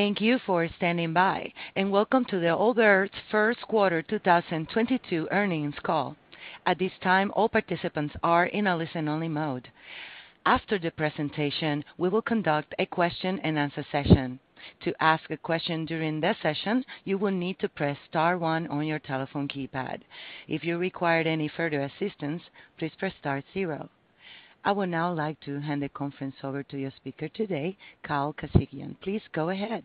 Thank you for standing by, and welcome to the Allbirds first quarter 2022 earnings call. At this time, all participants are in a listen-only mode. After the presentation, we will conduct a question and answer session. To ask a question during that session, you will need to press star one on your telephone keypad. If you require any further assistance, please press star zero. I would now like to hand the conference over to your speaker today, Kyle Khasigian. Please go ahead.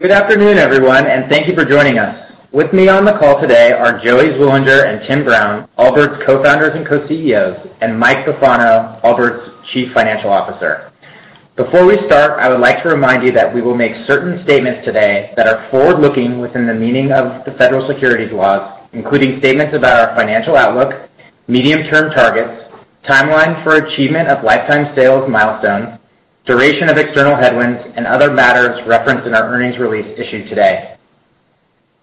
Good afternoon, everyone, and thank you for joining us. With me on the call today are Joey Zwillinger and Tim Brown, Allbirds's co-founders and co-CEOs, and Mike Bufano, Allbirds' Chief Financial Officer. Before we start, I would like to remind you that we will make certain statements today that are forward-looking within the meaning of the federal securities laws, including statements about our financial outlook, medium-term targets, timeline for achievement of lifetime sales milestones, duration of external headwinds, and other matters referenced in our earnings release issued today.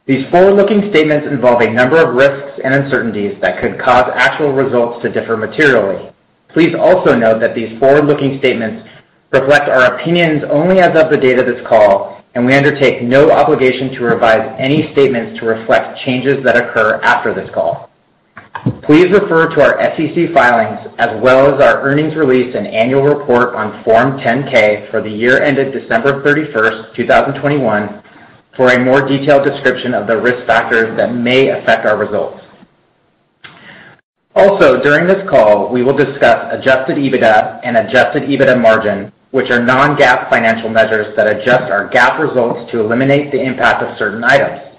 These forward-looking statements involve a number of risks and uncertainties that could cause actual results to differ materially. Please also note that these forward-looking statements reflect our opinions only as of the date of this call, and we undertake no obligation to revise any statements to reflect changes that occur after this call. Please refer to our SEC filings as well as our earnings release and annual report on Form 10-K for the year ended December thirty-first, two thousand twenty-one for a more detailed description of the risk factors that may affect our results. Also, during this call, we will discuss adjusted EBITDA and adjusted EBITDA margin, which are non-GAAP financial measures that adjust our GAAP results to eliminate the impact of certain items.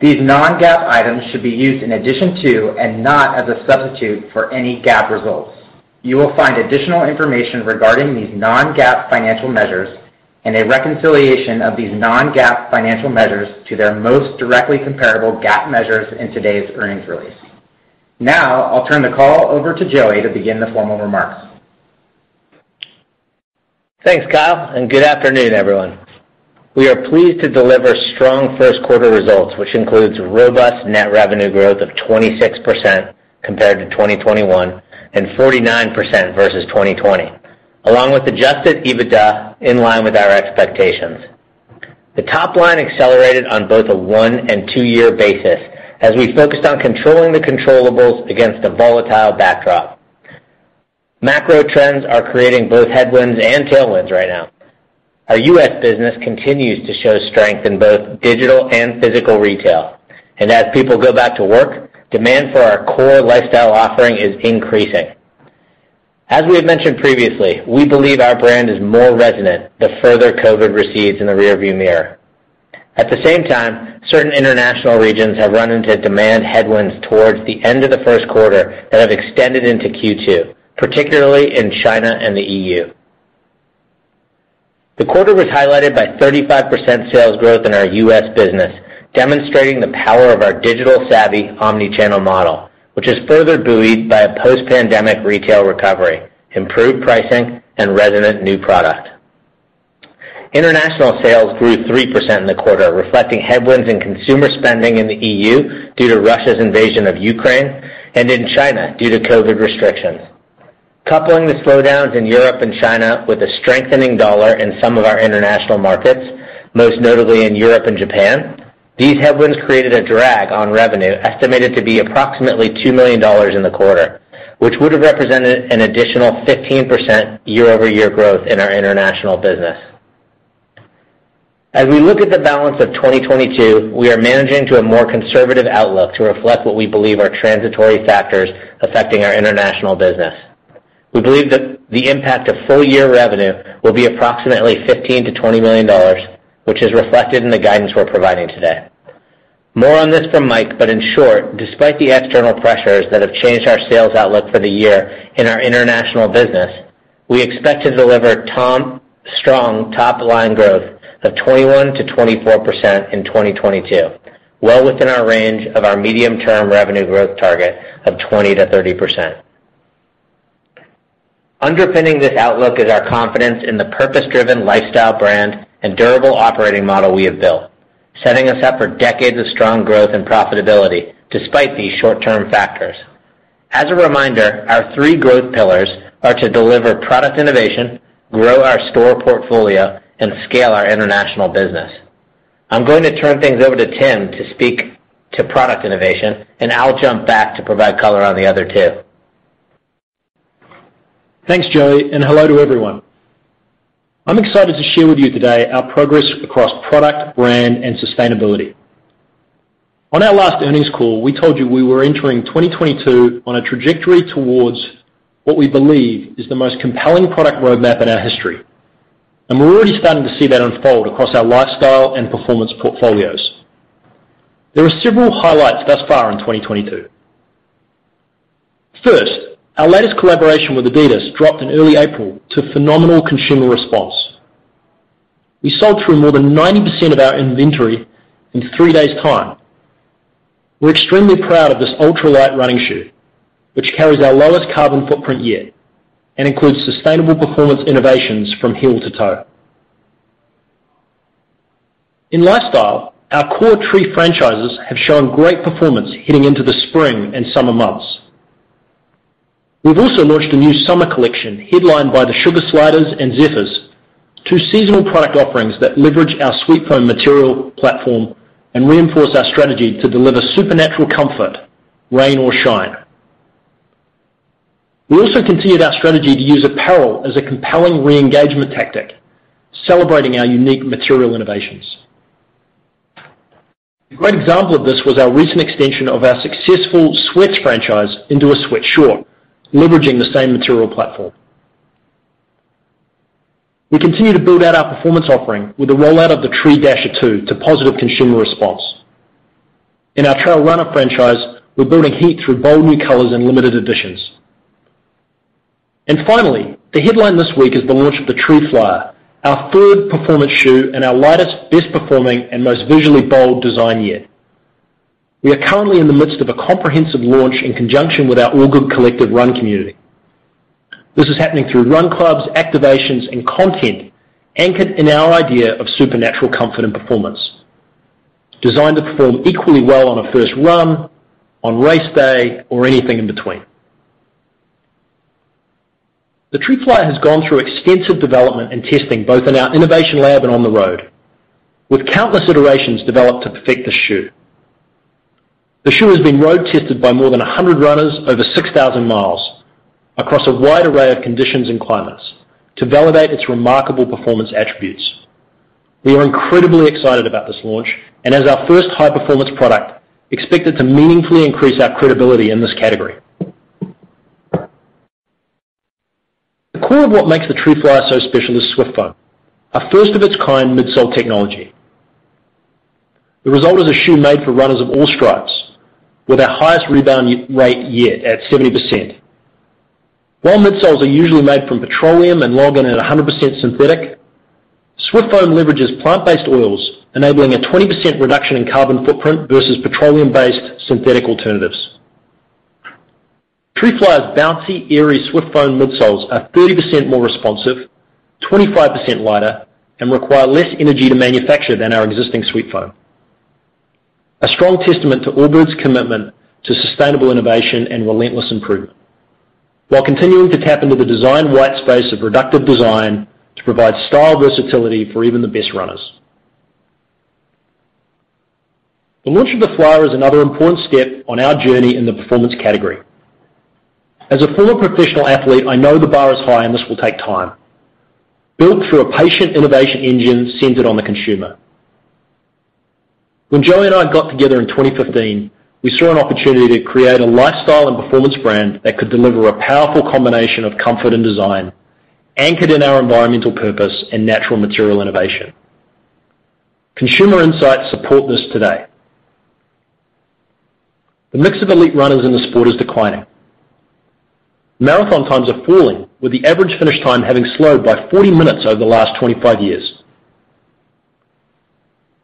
These non-GAAP items should be used in addition to and not as a substitute for any GAAP results. You will find additional information regarding these non-GAAP financial measures and a reconciliation of these non-GAAP financial measures to their most directly comparable GAAP measures in today's earnings release. Now, I'll turn the call over to Joey to begin the formal remarks. Thanks, Kyle, and good afternoon, everyone. We are pleased to deliver strong first quarter results, which includes robust net revenue growth of 26% compared to 2021 and 49% versus 2020, along with adjusted EBITDA in line with our expectations. The top line accelerated on both a one- and two-year basis as we focused on controlling the controllables against a volatile backdrop. Macro trends are creating both headwinds and tailwinds right now. Our U.S. business continues to show strength in both digital and physical retail. As people go back to work, demand for our core lifestyle offering is increasing. As we have mentioned previously, we believe our brand is more resonant the further COVID recedes in the rearview mirror. At the same time, certain international regions have run into demand headwinds towards the end of the first quarter that have extended into Q2, particularly in China and the EU. The quarter was highlighted by 35% sales growth in our U.S. business, demonstrating the power of our digital savvy omni-channel model, which is further buoyed by a post-pandemic retail recovery, improved pricing, and resonant new product. International sales grew 3% in the quarter, reflecting headwinds in consumer spending in the EU due to Russia's invasion of Ukraine and in China due to COVID restrictions. Coupling the slowdowns in Europe and China with a strengthening dollar in some of our international markets, most notably in Europe and Japan, these headwinds created a drag on revenue estimated to be approximately $2 million in the quarter, which would have represented an additional 15% year-over-year growth in our international business. As we look at the balance of 2022, we are managing to a more conservative outlook to reflect what we believe are transitory factors affecting our international business. We believe that the impact of full year revenue will be approximately $15-$20 million, which is reflected in the guidance we're providing today. More on this from Mike, but in short, despite the external pressures that have changed our sales outlook for the year in our international business, we expect to deliver strong top line growth of 21%-24% in 2022, well within our range of our medium-term revenue growth target of 20%-30%. Underpinning this outlook is our confidence in the purpose-driven lifestyle brand and durable operating model we have built, setting us up for decades of strong growth and profitability despite these short-term factors. As a reminder, our three growth pillars are to deliver product innovation, grow our store portfolio, and scale our international business. I'm going to turn things over to Tim to speak to product innovation, and I'll jump back to provide color on the other two. Thanks, Joey, and hello to everyone. I'm excited to share with you today our progress across product, brand, and sustainability. On our last earnings call, we told you we were entering 2022 on a trajectory towards what we believe is the most compelling product roadmap in our history, and we're already starting to see that unfold across our lifestyle and performance portfolios. There are several highlights thus far in 2022. First, our latest collaboration with adidas dropped in early April to phenomenal consumer response. We sold through more than 90% of our inventory in three days' time. We're extremely proud of this ultra-light running shoe, which carries our lowest carbon footprint yet and includes sustainable performance innovations from heel to toe. In lifestyle, our core Tree franchises have shown great performance heading into the spring and summer months. We've also launched a new summer collection headlined by the Sugar Sliders and Zeffers, two seasonal product offerings that leverage our SweetFoam material platform and reinforce our strategy to deliver supernatural comfort, rain or shine. We also continued our strategy to use apparel as a compelling re-engagement tactic, celebrating our unique material innovations. A great example of this was our recent extension of our successful sweats franchise into a sweat short, leveraging the same material platform. We continue to build out our performance offering with the rollout of the Tree Dasher-2 to positive consumer response. In our trail runner franchise, we're building heat through bold new colors and limited editions. Finally, the headline this week is the launch of the Tree Flyer, our third performance shoe and our lightest, best-performing, and most visually bold design yet. We are currently in the midst of a comprehensive launch in conjunction with our Allgood Collective run community. This is happening through run clubs, activations, and content anchored in our idea of supernatural comfort and performance, designed to perform equally well on a first run, on race day, or anything in between. The Tree Flyer has gone through extensive development and testing, both in our innovation lab and on the road, with countless iterations developed to perfect the shoe. The shoe has been road-tested by more than 100 runners over 6,000 miles across a wide array of conditions and climates to validate its remarkable performance attributes. We are incredibly excited about this launch, and as our first high-performance product, expect it to meaningfully increase our credibility in this category. The core of what makes the Tree Flyer so special is SwiftFoam, a first-of-its-kind midsole technology. The result is a shoe made for runners of all stripes with our highest rebound rate yet at 70%. While midsoles are usually made from petroleum and are 100% synthetic, SwiftFoam leverages plant-based oils, enabling a 20% reduction in carbon footprint versus petroleum-based synthetic alternatives. Tree Flyer's bouncy, airy SwiftFoam midsoles are 30% more responsive, 25% lighter, and require less energy to manufacture than our existing sweet foam. A strong testament to Allbirds' commitment to sustainable innovation and relentless improvement, while continuing to tap into the design white space of reductive design to provide style versatility for even the best runners. The launch of the Flyer is another important step on our journey in the performance category. As a former professional athlete, I know the bar is high and this will take time. Built through a patient innovation engine centered on the consumer. When Joey and I got together in 2015, we saw an opportunity to create a lifestyle and performance brand that could deliver a powerful combination of comfort and design anchored in our environmental purpose and natural material innovation. Consumer insights support this today. The mix of elite runners in the sport is declining. Marathon times are falling, with the average finish time having slowed by 40 minutes over the last 25 years.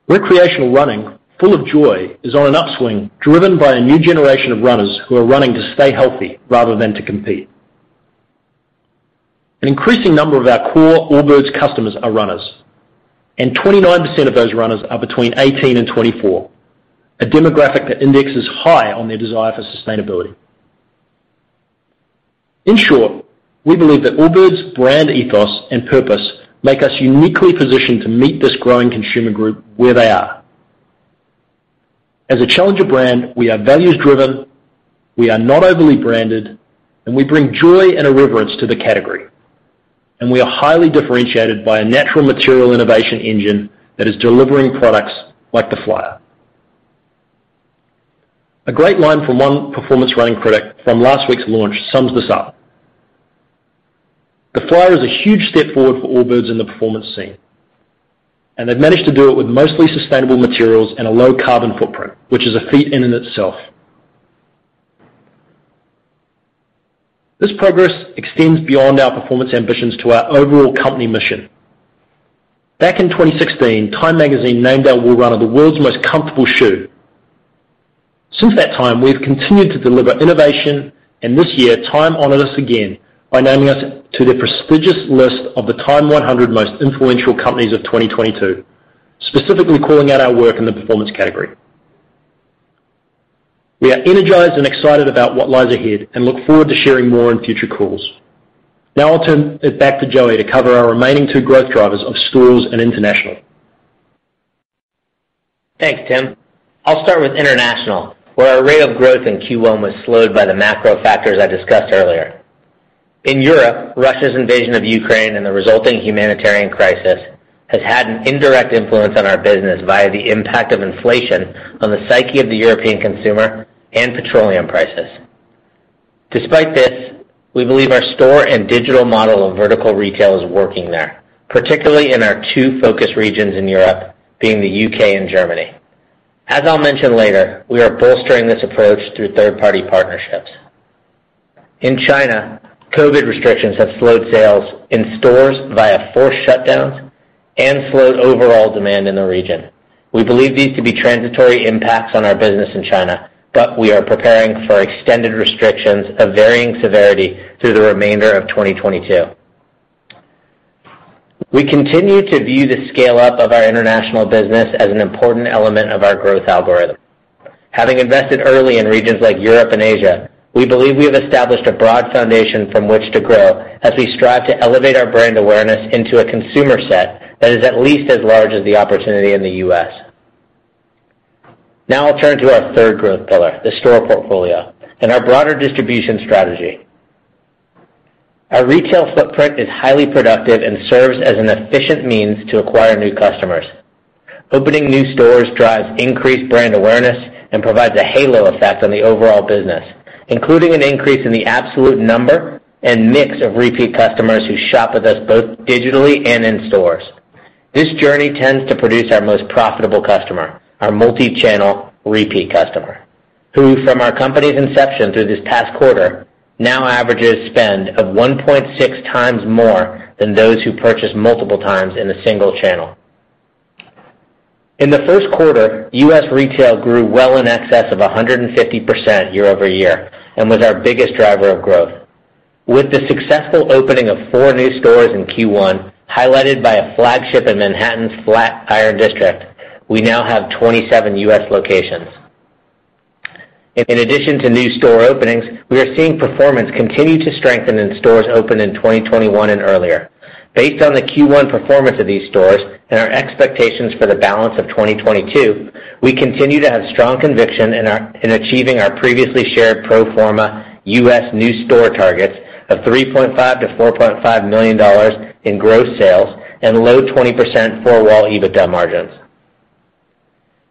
Recreational running, full of joy, is on an upswing, driven by a new generation of runners who are running to stay healthy rather than to compete. An increasing number of our core Allbirds customers are runners, and 29% of those runners are between 18 and 24, a demographic that indexes high on their desire for sustainability. In short, we believe that Allbirds' brand ethos and purpose make us uniquely positioned to meet this growing consumer group where they are. As a challenger brand, we are values-driven, we are not overly branded, and we bring joy and irreverence to the category. We are highly differentiated by a natural material innovation engine that is delivering products like the Flyer. A great line from one performance running critic from last week's launch sums this up. "The Flyer is a huge step forward for Allbirds in the performance scene, and they've managed to do it with mostly sustainable materials and a low carbon footprint, which is a feat in and itself." This progress extends beyond our performance ambitions to our overall company mission. Back in 2016, Time Magazine named our Wool Runner the world's most comfortable shoe. Since that time, we've continued to deliver innovation, and this year, TIME honored us again by naming us to the prestigious list of the TIME 100 Most Influential Companies of 2022, specifically calling out our work in the performance category. We are energized and excited about what lies ahead and look forward to sharing more in future calls. Now I'll turn it back to Joey to cover our remaining two growth drivers of stores and international. Thanks, Tim. I'll start with international, where our rate of growth in Q1 was slowed by the macro factors I discussed earlier. In Europe, Russia's invasion of Ukraine and the resulting humanitarian crisis has had an indirect influence on our business via the impact of inflation on the psyche of the European consumer and petroleum prices. Despite this, we believe our store and digital model of vertical retail is working there, particularly in our two focus regions in Europe, being the U.K. and Germany. As I'll mention later, we are bolstering this approach through third-party partnerships. In China, COVID restrictions have slowed sales in stores via forced shutdowns and slowed overall demand in the region. We believe these to be transitory impacts on our business in China, but we are preparing for extended restrictions of varying severity through the remainder of 2022. We continue to view the scale-up of our international business as an important element of our growth algorithm. Having invested early in regions like Europe and Asia, we believe we have established a broad foundation from which to grow as we strive to elevate our brand awareness into a consumer set that is at least as large as the opportunity in the U.S. Now I'll turn to our third growth pillar, the store portfolio, and our broader distribution strategy. Our retail footprint is highly productive and serves as an efficient means to acquire new customers. Opening new stores drives increased brand awareness and provides a halo effect on the overall business, including an increase in the absolute number and mix of repeat customers who shop with us both digitally and in stores. This journey tends to produce our most profitable customer, our multi-channel repeat customer, who from our company's inception through this past quarter now averages spend of 1.6 times more than those who purchase multiple times in a single channel. In the first quarter, US retail grew well in excess of 150% year-over-year and was our biggest driver of growth. With the successful opening of four new stores in Q1, highlighted by a flagship in Manhattan's Flatiron District, we now have 27 U.S. locations. In addition to new store openings, we are seeing performance continue to strengthen in stores opened in 2021 and earlier. Based on the Q1 performance of these stores and our expectations for the balance of 2022, we continue to have strong conviction in achieving our previously shared pro forma U.S. new store targets of $3.5 million-$4.5 million in gross sales and low 20% for four-wall EBITDA margins.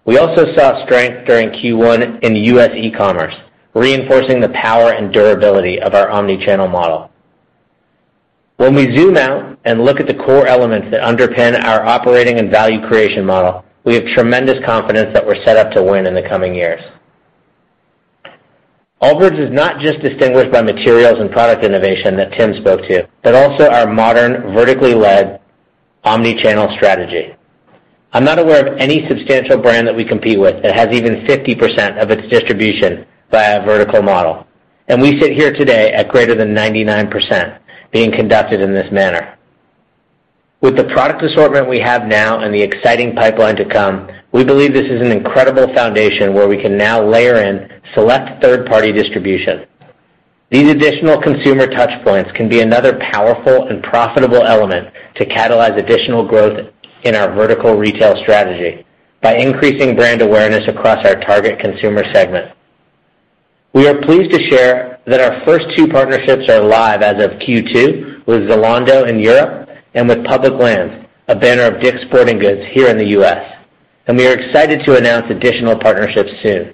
We also saw strength during Q1 in U.S. e-commerce, reinforcing the power and durability of our omni-channel model. When we zoom out and look at the core elements that underpin our operating and value creation model, we have tremendous confidence that we're set up to win in the coming years. Allbirds is not just distinguished by materials and product innovation that Tim spoke to, but also our modern, vertically led omni-channel strategy. I'm not aware of any substantial brand that we compete with that has even 50% of its distribution via a vertical model, and we sit here today at greater than 99% being conducted in this manner. With the product assortment we have now and the exciting pipeline to come, we believe this is an incredible foundation where we can now layer in select third-party distribution. These additional consumer touch points can be another powerful and profitable element to catalyze additional growth in our vertical retail strategy by increasing brand awareness across our target consumer segment. We are pleased to share that our first two partnerships are live as of Q2 with Zalando in Europe and with Public Lands, a banner of DICK'S Sporting Goods here in the U.S., and we are excited to announce additional partnerships soon.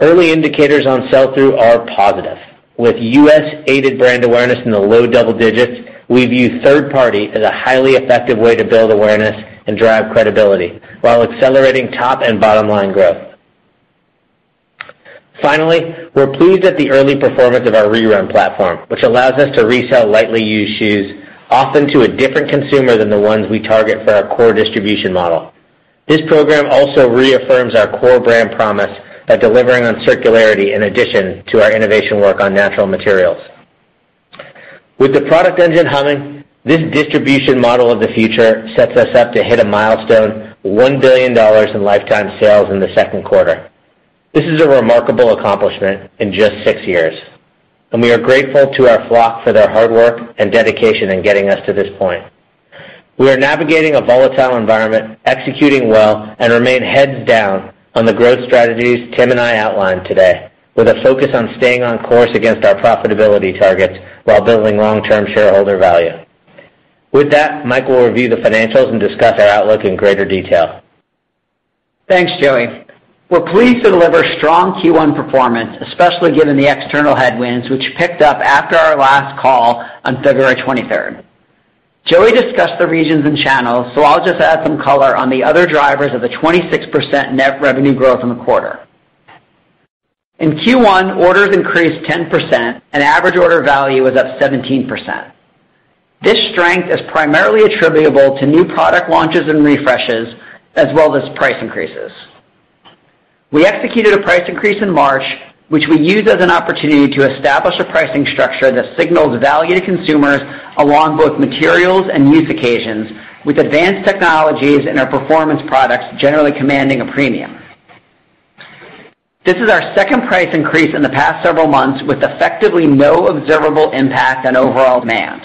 Early indicators on sell-through are positive. With unaided brand awareness in the low double digits, we view third-party as a highly effective way to build awareness and drive credibility while accelerating top and bottom line growth. Finally, we're pleased at the early performance of our ReRun platform, which allows us to resell lightly used shoes, often to a different consumer than the ones we target for our core distribution model. This program also reaffirms our core brand promise of delivering on circularity in addition to our innovation work on natural materials. With the product engine humming, this distribution model of the future sets us up to hit a milestone $1 billion in lifetime sales in the second quarter. This is a remarkable accomplishment in just six years, and we are grateful to our flock for their hard work and dedication in getting us to this point. We are navigating a volatile environment, executing well, and remain heads down on the growth strategies Tim and I outlined today, with a focus on staying on course against our profitability targets while building long-term shareholder value. With that, Mike will review the financials and discuss our outlook in greater detail. Thanks, Joey. We're pleased to deliver strong Q1 performance, especially given the external headwinds, which picked up after our last call on 23rd February. Joey discussed the regions and channels, so I'll just add some color on the other drivers of the 26% net revenue growth in the quarter. In Q1, orders increased 10% and average order value was up 17%. This strength is primarily attributable to new product launches and refreshes, as well as price increases. We executed a price increase in March, which we used as an opportunity to establish a pricing structure that signals value to consumers along both materials and use occasions, with advanced technologies in our performance products generally commanding a premium. This is our second price increase in the past several months with effectively no observable impact on overall demand.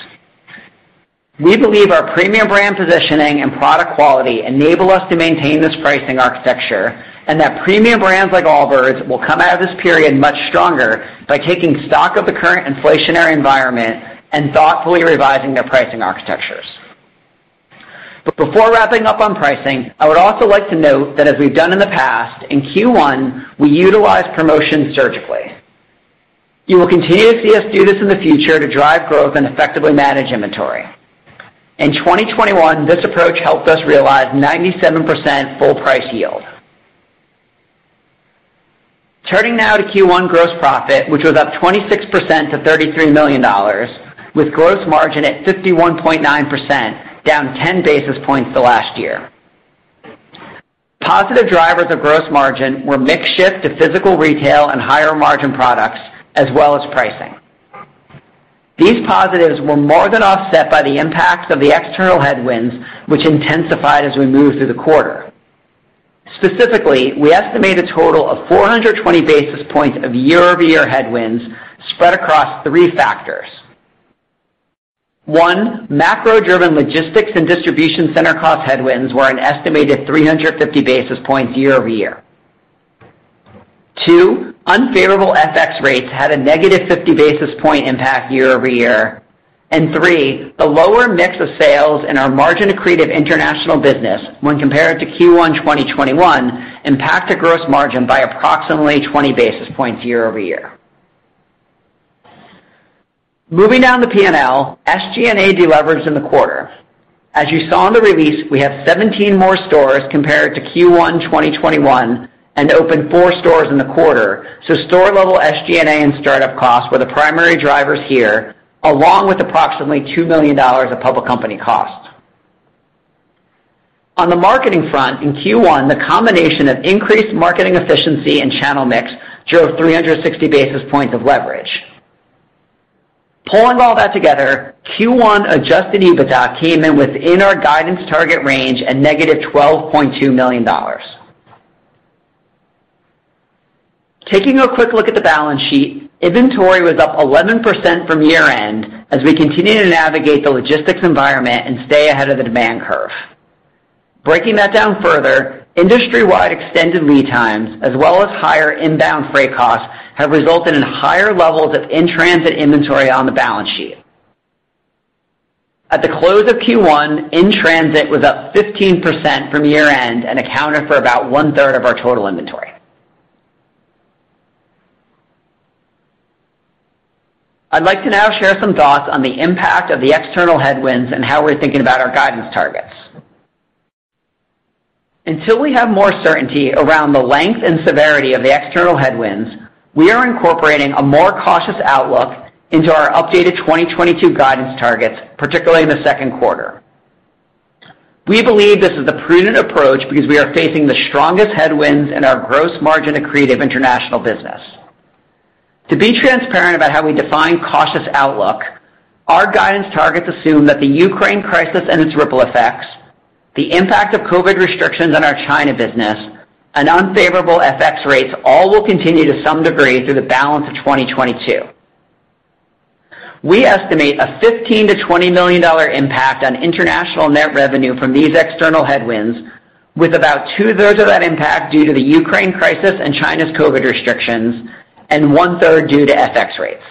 We believe our premium brand positioning and product quality enable us to maintain this pricing architecture, and that premium brands like Allbirds will come out of this period much stronger by taking stock of the current inflationary environment and thoughtfully revising their pricing architectures. Before wrapping up on pricing, I would also like to note that as we've done in the past, in Q1, we utilized promotions surgically. You will continue to see us do this in the future to drive growth and effectively manage inventory. In 2021, this approach helped us realize 97% full price yield. Turning now to Q1 gross profit, which was up 26% to $33 million, with gross margin at 51.9%, down 10 basis points to last year. Positive drivers of gross margin were mix shift to physical retail and higher margin products as well as pricing. These positives were more than offset by the impact of the external headwinds, which intensified as we moved through the quarter. Specifically, we estimate a total of 420 basis points of year-over-year headwinds spread across three factors. One, macro-driven logistics and distribution center cost headwinds were an estimated 350 basis points year-over-year. Two, unfavorable FX rates had a negative 50 basis point impact year-over-year. Three, the lower mix of sales in our margin-accretive international business when compared to Q1 2021 impacted gross margin by approximately 20 basis points year-over-year. Moving down the P&L, SG&A deleveraged in the quarter. As you saw in the release, we have 17 more stores compared to Q1 2021 and opened four stores in the quarter, so store-level SG&A and startup costs were the primary drivers here, along with approximately $2 million of public company costs. On the marketing front, in Q1, the combination of increased marketing efficiency and channel mix drove 360 basis points of leverage. Pulling all that together, Q1 adjusted EBITDA came in within our guidance target range at -$12.2 million. Taking a quick look at the balance sheet, inventory was up 11% from year-end as we continue to navigate the logistics environment and stay ahead of the demand curve. Breaking that down further, industry-wide extended lead times as well as higher inbound freight costs have resulted in higher levels of in-transit inventory on the balance sheet. At the close of Q1, in-transit was up 15% from year-end and accounted for about one-third of our total inventory. I'd like to now share some thoughts on the impact of the external headwinds and how we're thinking about our guidance targets. Until we have more certainty around the length and severity of the external headwinds, we are incorporating a more cautious outlook into our updated 2022 guidance targets, particularly in the second quarter. We believe this is a prudent approach because we are facing the strongest headwinds in our gross margin accretive international business. To be transparent about how we define cautious outlook, our guidance targets assume that the Ukraine crisis and its ripple effects, the impact of COVID restrictions on our China business, and unfavorable FX rates all will continue to some degree through the balance of 2022. We estimate a $15 million-$20 million impact on international net revenue from these external headwinds, with about two-thirds of that impact due to the Ukraine crisis and China's COVID restrictions and one-third due to FX rates.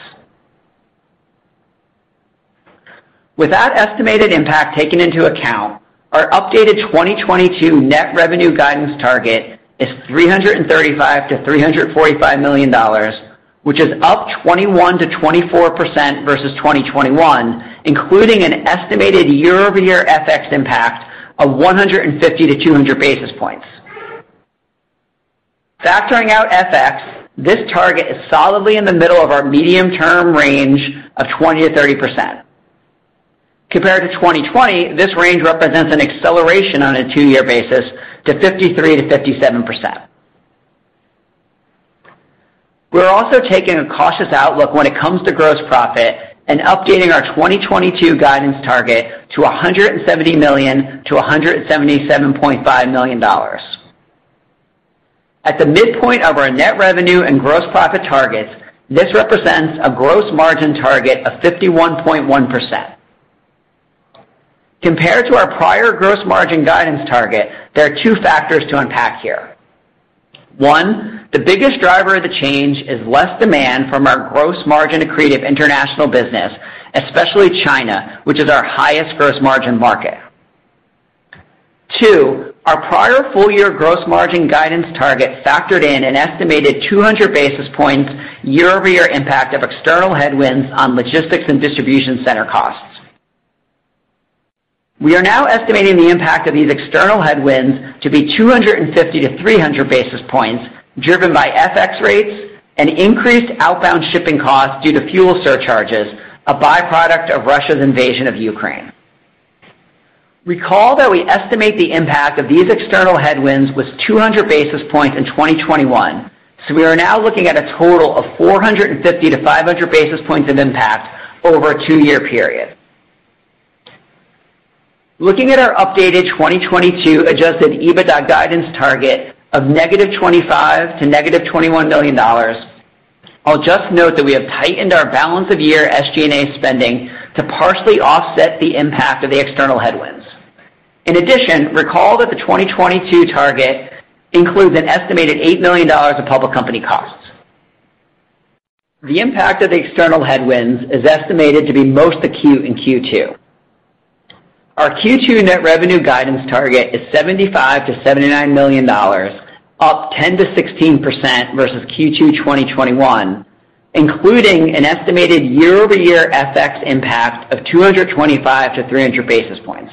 With that estimated impact taken into account, our updated 2022 net revenue guidance target is $335-$345 million, which is up 21%-24% versus 2021, including an estimated year-over-year FX impact of 150 to 200 basis points. Factoring out FX, this target is solidly in the middle of our medium-term range of 20%-30%. Compared to 2020, this range represents an acceleration on a two-year basis to 53%-57%. We're also taking a cautious outlook when it comes to gross profit and updating our 2022 guidance target to $170-$177.5 million. At the midpoint of our net revenue and gross profit targets, this represents a gross margin target of 51.1%. Compared to our prior gross margin guidance target, there are two factors to unpack here. One, the biggest driver of the change is less demand from our gross margin accretive international business, especially China, which is our highest gross margin market. Two, our prior full-year gross margin guidance target factored in an estimated 200 basis points year-over-year impact of external headwinds on logistics and distribution center costs. We are now estimating the impact of these external headwinds to be 250-300 basis points, driven by FX rates and increased outbound shipping costs due to fuel surcharges, a byproduct of Russia's invasion of Ukraine. Recall that we estimate the impact of these external headwinds was 200 basis points in 2021, so we are now looking at a total of 450-500 basis points of impact over a two-year period. Looking at our updated 2022 adjusted EBITDA guidance target of -$25 million to -$21 million, I'll just note that we have tightened our balance of year SG&A spending to partially offset the impact of the external headwinds. In addition, recall that the 2022 target includes an estimated $8 million of public company costs. The impact of the external headwinds is estimated to be most acute in Q2. Our Q2 net revenue guidance target is $75 million-$79 million, up 10%-16% versus Q2 2021, including an estimated year-over-year FX impact of 225-300 basis points.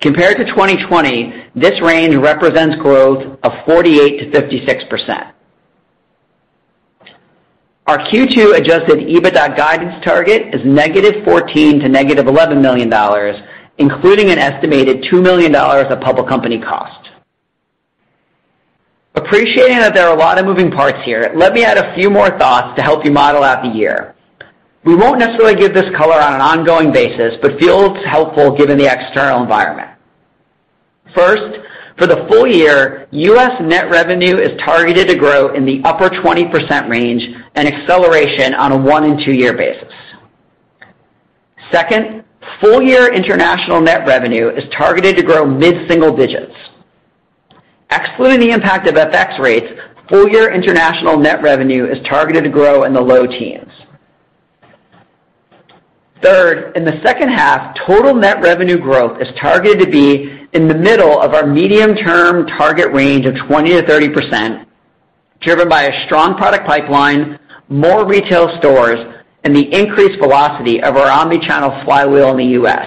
Compared to 2020, this range represents growth of 48%-56%. Our Q2 adjusted EBITDA guidance target is -$14 million to -$11 million, including an estimated $2 million of public company costs. Appreciating that there are a lot of moving parts here, let me add a few more thoughts to help you model out the year. We won't necessarily give this color on an ongoing basis, but feel it's helpful given the external environment. First, for the full year, U.S. net revenue is targeted to grow in the upper 20% range and acceleration on a one- and two-year basis. Second, full year international net revenue is targeted to grow mid-single digits%. Excluding the impact of FX rates, full year international net revenue is targeted to grow in the low teens%. Third, in the second half, total net revenue growth is targeted to be in the middle of our medium-term target range of 20%-30%, driven by a strong product pipeline, more retail stores, and the increased velocity of our omni-channel flywheel in the U.S.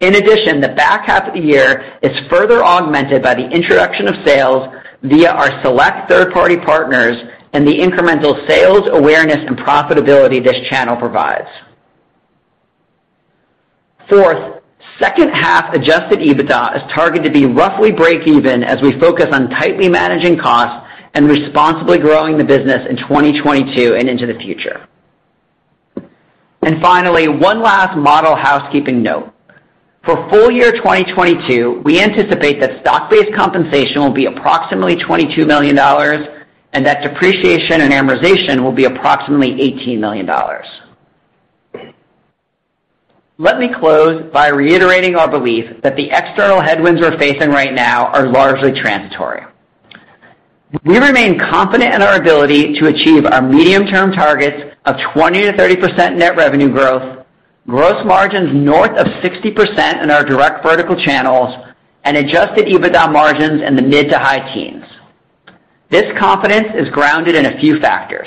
In addition, the back half of the year is further augmented by the introduction of sales via our select third-party partners and the incremental sales, awareness, and profitability this channel provides. Fourth, second half adjusted EBITDA is targeted to be roughly break-even as we focus on tightly managing costs and responsibly growing the business in 2022 and into the future. Finally, one last model housekeeping note. For full year 2022, we anticipate that stock-based compensation will be approximately $22 million and that depreciation and amortization will be approximately $18 million. Let me close by reiterating our belief that the external headwinds we're facing right now are largely transitory. We remain confident in our ability to achieve our medium-term targets of 20%-30% net revenue growth, gross margins north of 60% in our direct vertical channels, and adjusted EBITDA margins in the mid- to high-teens %. This confidence is grounded in a few factors.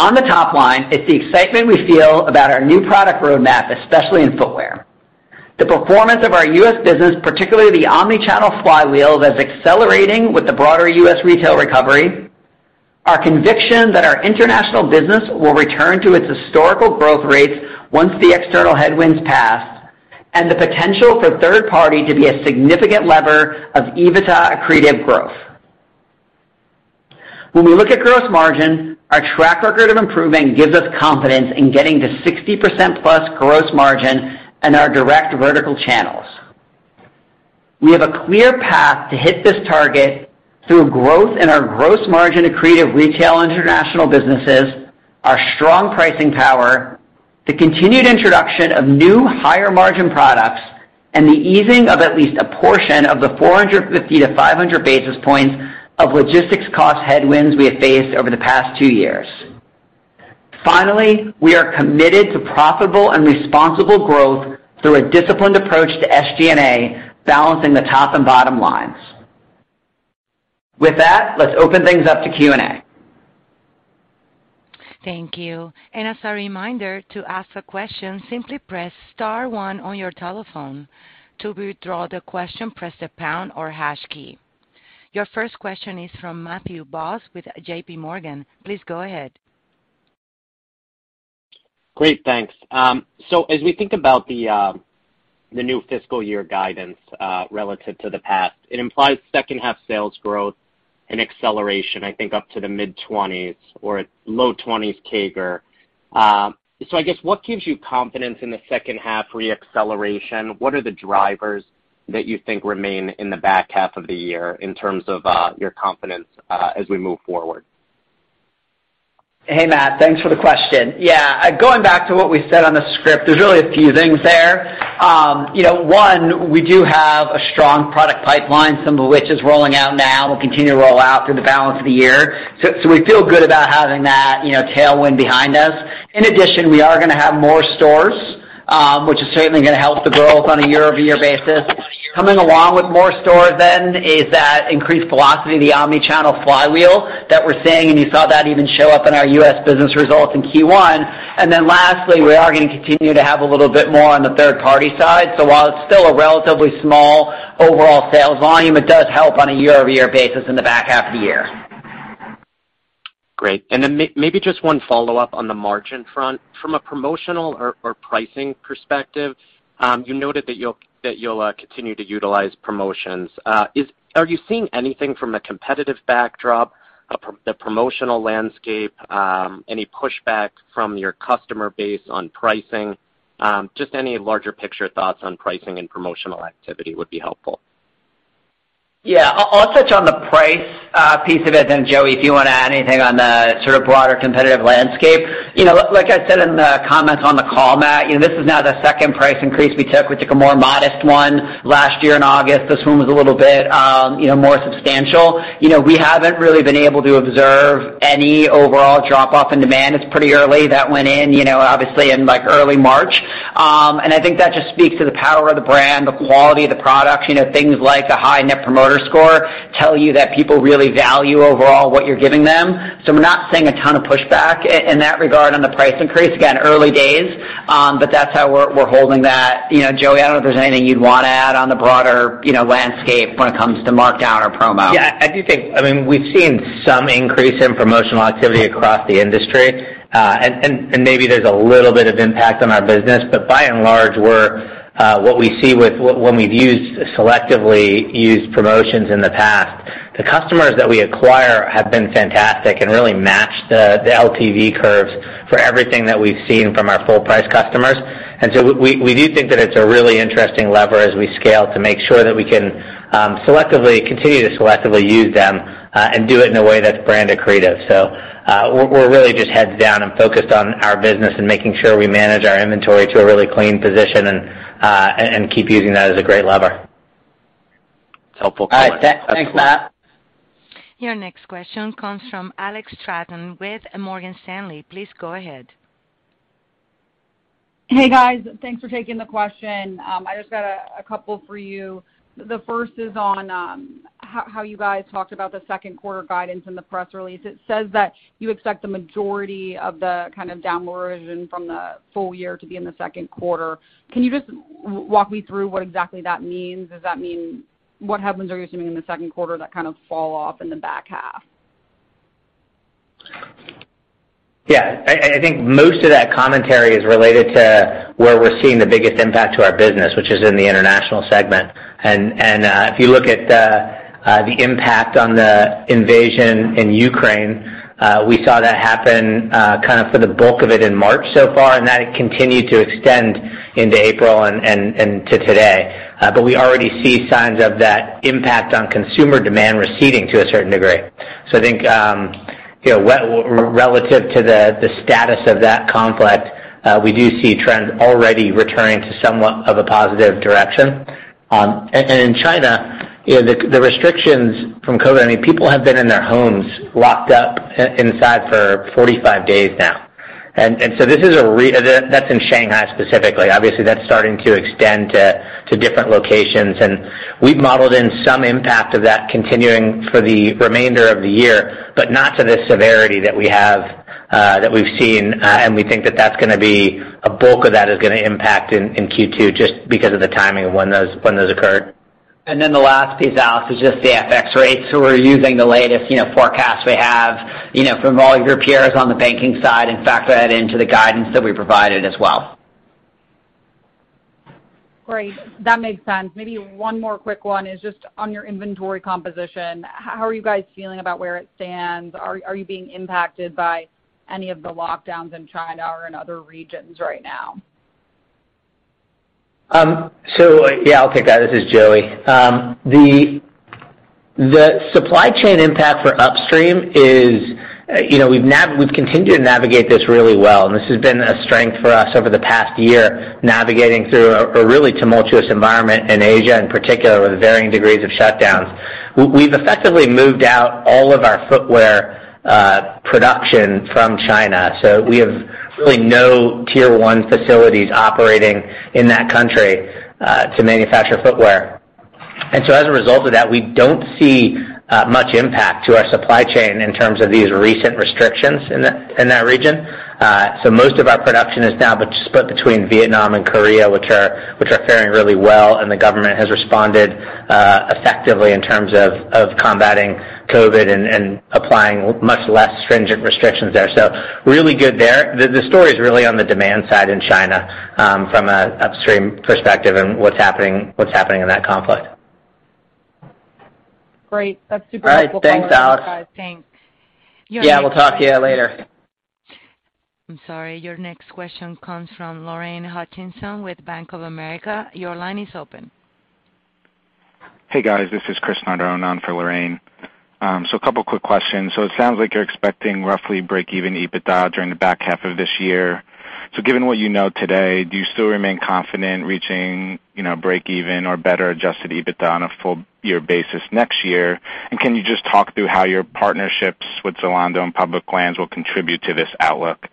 On the top line, it's the excitement we feel about our new product roadmap, especially in footwear. The performance of our U.S. business, particularly the omni-channel flywheel that's accelerating with the broader U.S. retail recovery, our conviction that our international business will return to its historical growth rates once the external headwinds pass, and the potential for third-party to be a significant lever of EBITDA-accretive growth. When we look at gross margin, our track record of improvement gives us confidence in getting to 60%+ gross margin in our direct vertical channels. We have a clear path to hit this target through growth in our gross margin-accretive retail international businesses, our strong pricing power, the continued introduction of new higher-margin products, and the easing of at least a portion of the 450-500 basis points of logistics cost headwinds we have faced over the past two years. Finally, we are committed to profitable and responsible growth through a disciplined approach to SG&A, balancing the top and bottom lines. With that, let's open things up to Q&A. Thank you. As a reminder, to ask a question, simply press star one on your telephone. To withdraw the question, press the pound or hash key. Your first question is from Matthew Boss with JPMorgan. Please go ahead. Great, thanks. As we think about the new fiscal year guidance, relative to the past, it implies second half sales growth and acceleration, I think up to the mid-20s or low 20s CAGR. I guess what gives you confidence in the second half re-acceleration? What are the drivers that you think remain in the back half of the year in terms of your confidence as we move forward? Hey, Matt. Thanks for the question. Yeah. Going back to what we said on the script, there's really a few things there. You know, one, we do have a strong product pipeline, some of which is rolling out now and will continue to roll out through the balance of the year. So we feel good about having that, you know, tailwind behind us. In addition, we are gonna have more stores, which is certainly gonna help the growth on a year-over-year basis. Coming along with more stores then is that increased velocity of the omni-channel flywheel that we're seeing, and you saw that even show up in our U.S. business results in Q1. Then lastly, we are gonna continue to have a little bit more on the third party side. While it's still a relatively small overall sales volume, it does help on a year-over-year basis in the back half of the year. Great. Maybe just one follow-up on the margin front. From a promotional or pricing perspective, you noted that you'll continue to utilize promotions. Are you seeing anything from a competitive backdrop, the promotional landscape, any pushback from your customer base on pricing? Just any larger picture thoughts on pricing and promotional activity would be helpful. Yeah. I'll touch on the price piece of it, then Joey, if you wanna add anything on the sort of broader competitive landscape. You know, like I said in the comments on the call, Matt, you know, this is now the second price increase we took. We took a more modest one last year in August. This one was a little bit, you know, more substantial. You know, we haven't really been able to observe any overall drop-off in demand. It's pretty early. That went in, you know, obviously in like early March. I think that just speaks to the power of the brand, the quality of the products. You know, things like a high Net Promoter Score tell you that people really value overall what you're giving them. We're not seeing a ton of pushback in that regard. On the price increase, again, early days, but that's how we're holding that. You know, Joey, I don't know if there's anything you'd wanna add on the broader, you know, landscape when it comes to markdown or promo. Yeah, I do think. I mean, we've seen some increase in promotional activity across the industry. Maybe there's a little bit of impact on our business. By and large, we're what we see when we've selectively used promotions in the past, the customers that we acquire have been fantastic and really match the LTV curves for everything that we've seen from our full price customers. We do think that it's a really interesting lever as we scale to make sure that we can continue to selectively use them and do it in a way that's brand accretive. We're really just heads down and focused on our business and making sure we manage our inventory to a really clean position and keep using that as a great lever. It's helpful. All right. Thanks, Matt. Your next question comes from Alex Straton with Morgan Stanley. Please go ahead. Hey, guys. Thanks for taking the question. I just got a couple for you. The first is on how you guys talked about the second quarter guidance in the press release. It says that you expect the majority of the kind of downward revision from the full year to be in the second quarter. Can you just walk me through what exactly that means? Does that mean what happens? Are you assuming in the second quarter that kind of fall off in the back half? Yeah. I think most of that commentary is related to where we're seeing the biggest impact to our business, which is in the international segment. If you look at the impact on the invasion in Ukraine, we saw that happen kind of for the bulk of it in March so far, and that continued to extend into April and to today. We already see signs of that impact on consumer demand receding to a certain degree. I think, you know, relative to the status of that conflict, we do see trends already returning to somewhat of a positive direction. In China, you know, the restrictions from COVID, I mean, people have been in their homes locked up inside for 45 days now. That's in Shanghai specifically. Obviously, that's starting to extend to different locations. We've modeled in some impact of that continuing for the remainder of the year, but not to the severity that we've seen, and we think that that's gonna be a bulk of that is gonna impact in Q2 just because of the timing of when those occurred. The last piece, Alex, is just the FX rates. We're using the latest, you know, forecast we have, you know, from all your peers on the banking side and factor that into the guidance that we provided as well. Great. That makes sense. Maybe one more quick one is just on your inventory composition. How are you guys feeling about where it stands? Are you being impacted by any of the lockdowns in China or in other regions right now? Yeah, I'll take that. This is Joey. The supply chain impact for upstream is, you know, we've continued to navigate this really well, and this has been a strength for us over the past year, navigating through a really tumultuous environment in Asia, in particular with varying degrees of shutdowns. We've effectively moved out all of our footwear production from China. We have really no tier one facilities operating in that country to manufacture footwear. As a result of that, we don't see much impact to our supply chain in terms of these recent restrictions in that region. Most of our production is now split between Vietnam and Korea, which are faring really well, and the government has responded effectively in terms of combating COVID and applying much less stringent restrictions there. Really good there. The story is really on the demand side in China, from an upstream perspective and what's happening in that complex. Great. That's super helpful. All right. Thanks, Alex. Thanks. Your next- Yeah, we'll talk to you later. I'm sorry. Your next question comes from Lorraine Hutchinson with Bank of America. Your line is open. Hey, guys. This is Chris Nardone for Lorraine. A couple quick questions. It sounds like you're expecting roughly break-even EBITDA during the back half of this year. Given what you know today, do you still remain confident reaching, you know, break even or better adjusted EBITDA on a full year basis next year? Can you just talk through how your partnerships with Zalando and Public Lands will contribute to this outlook?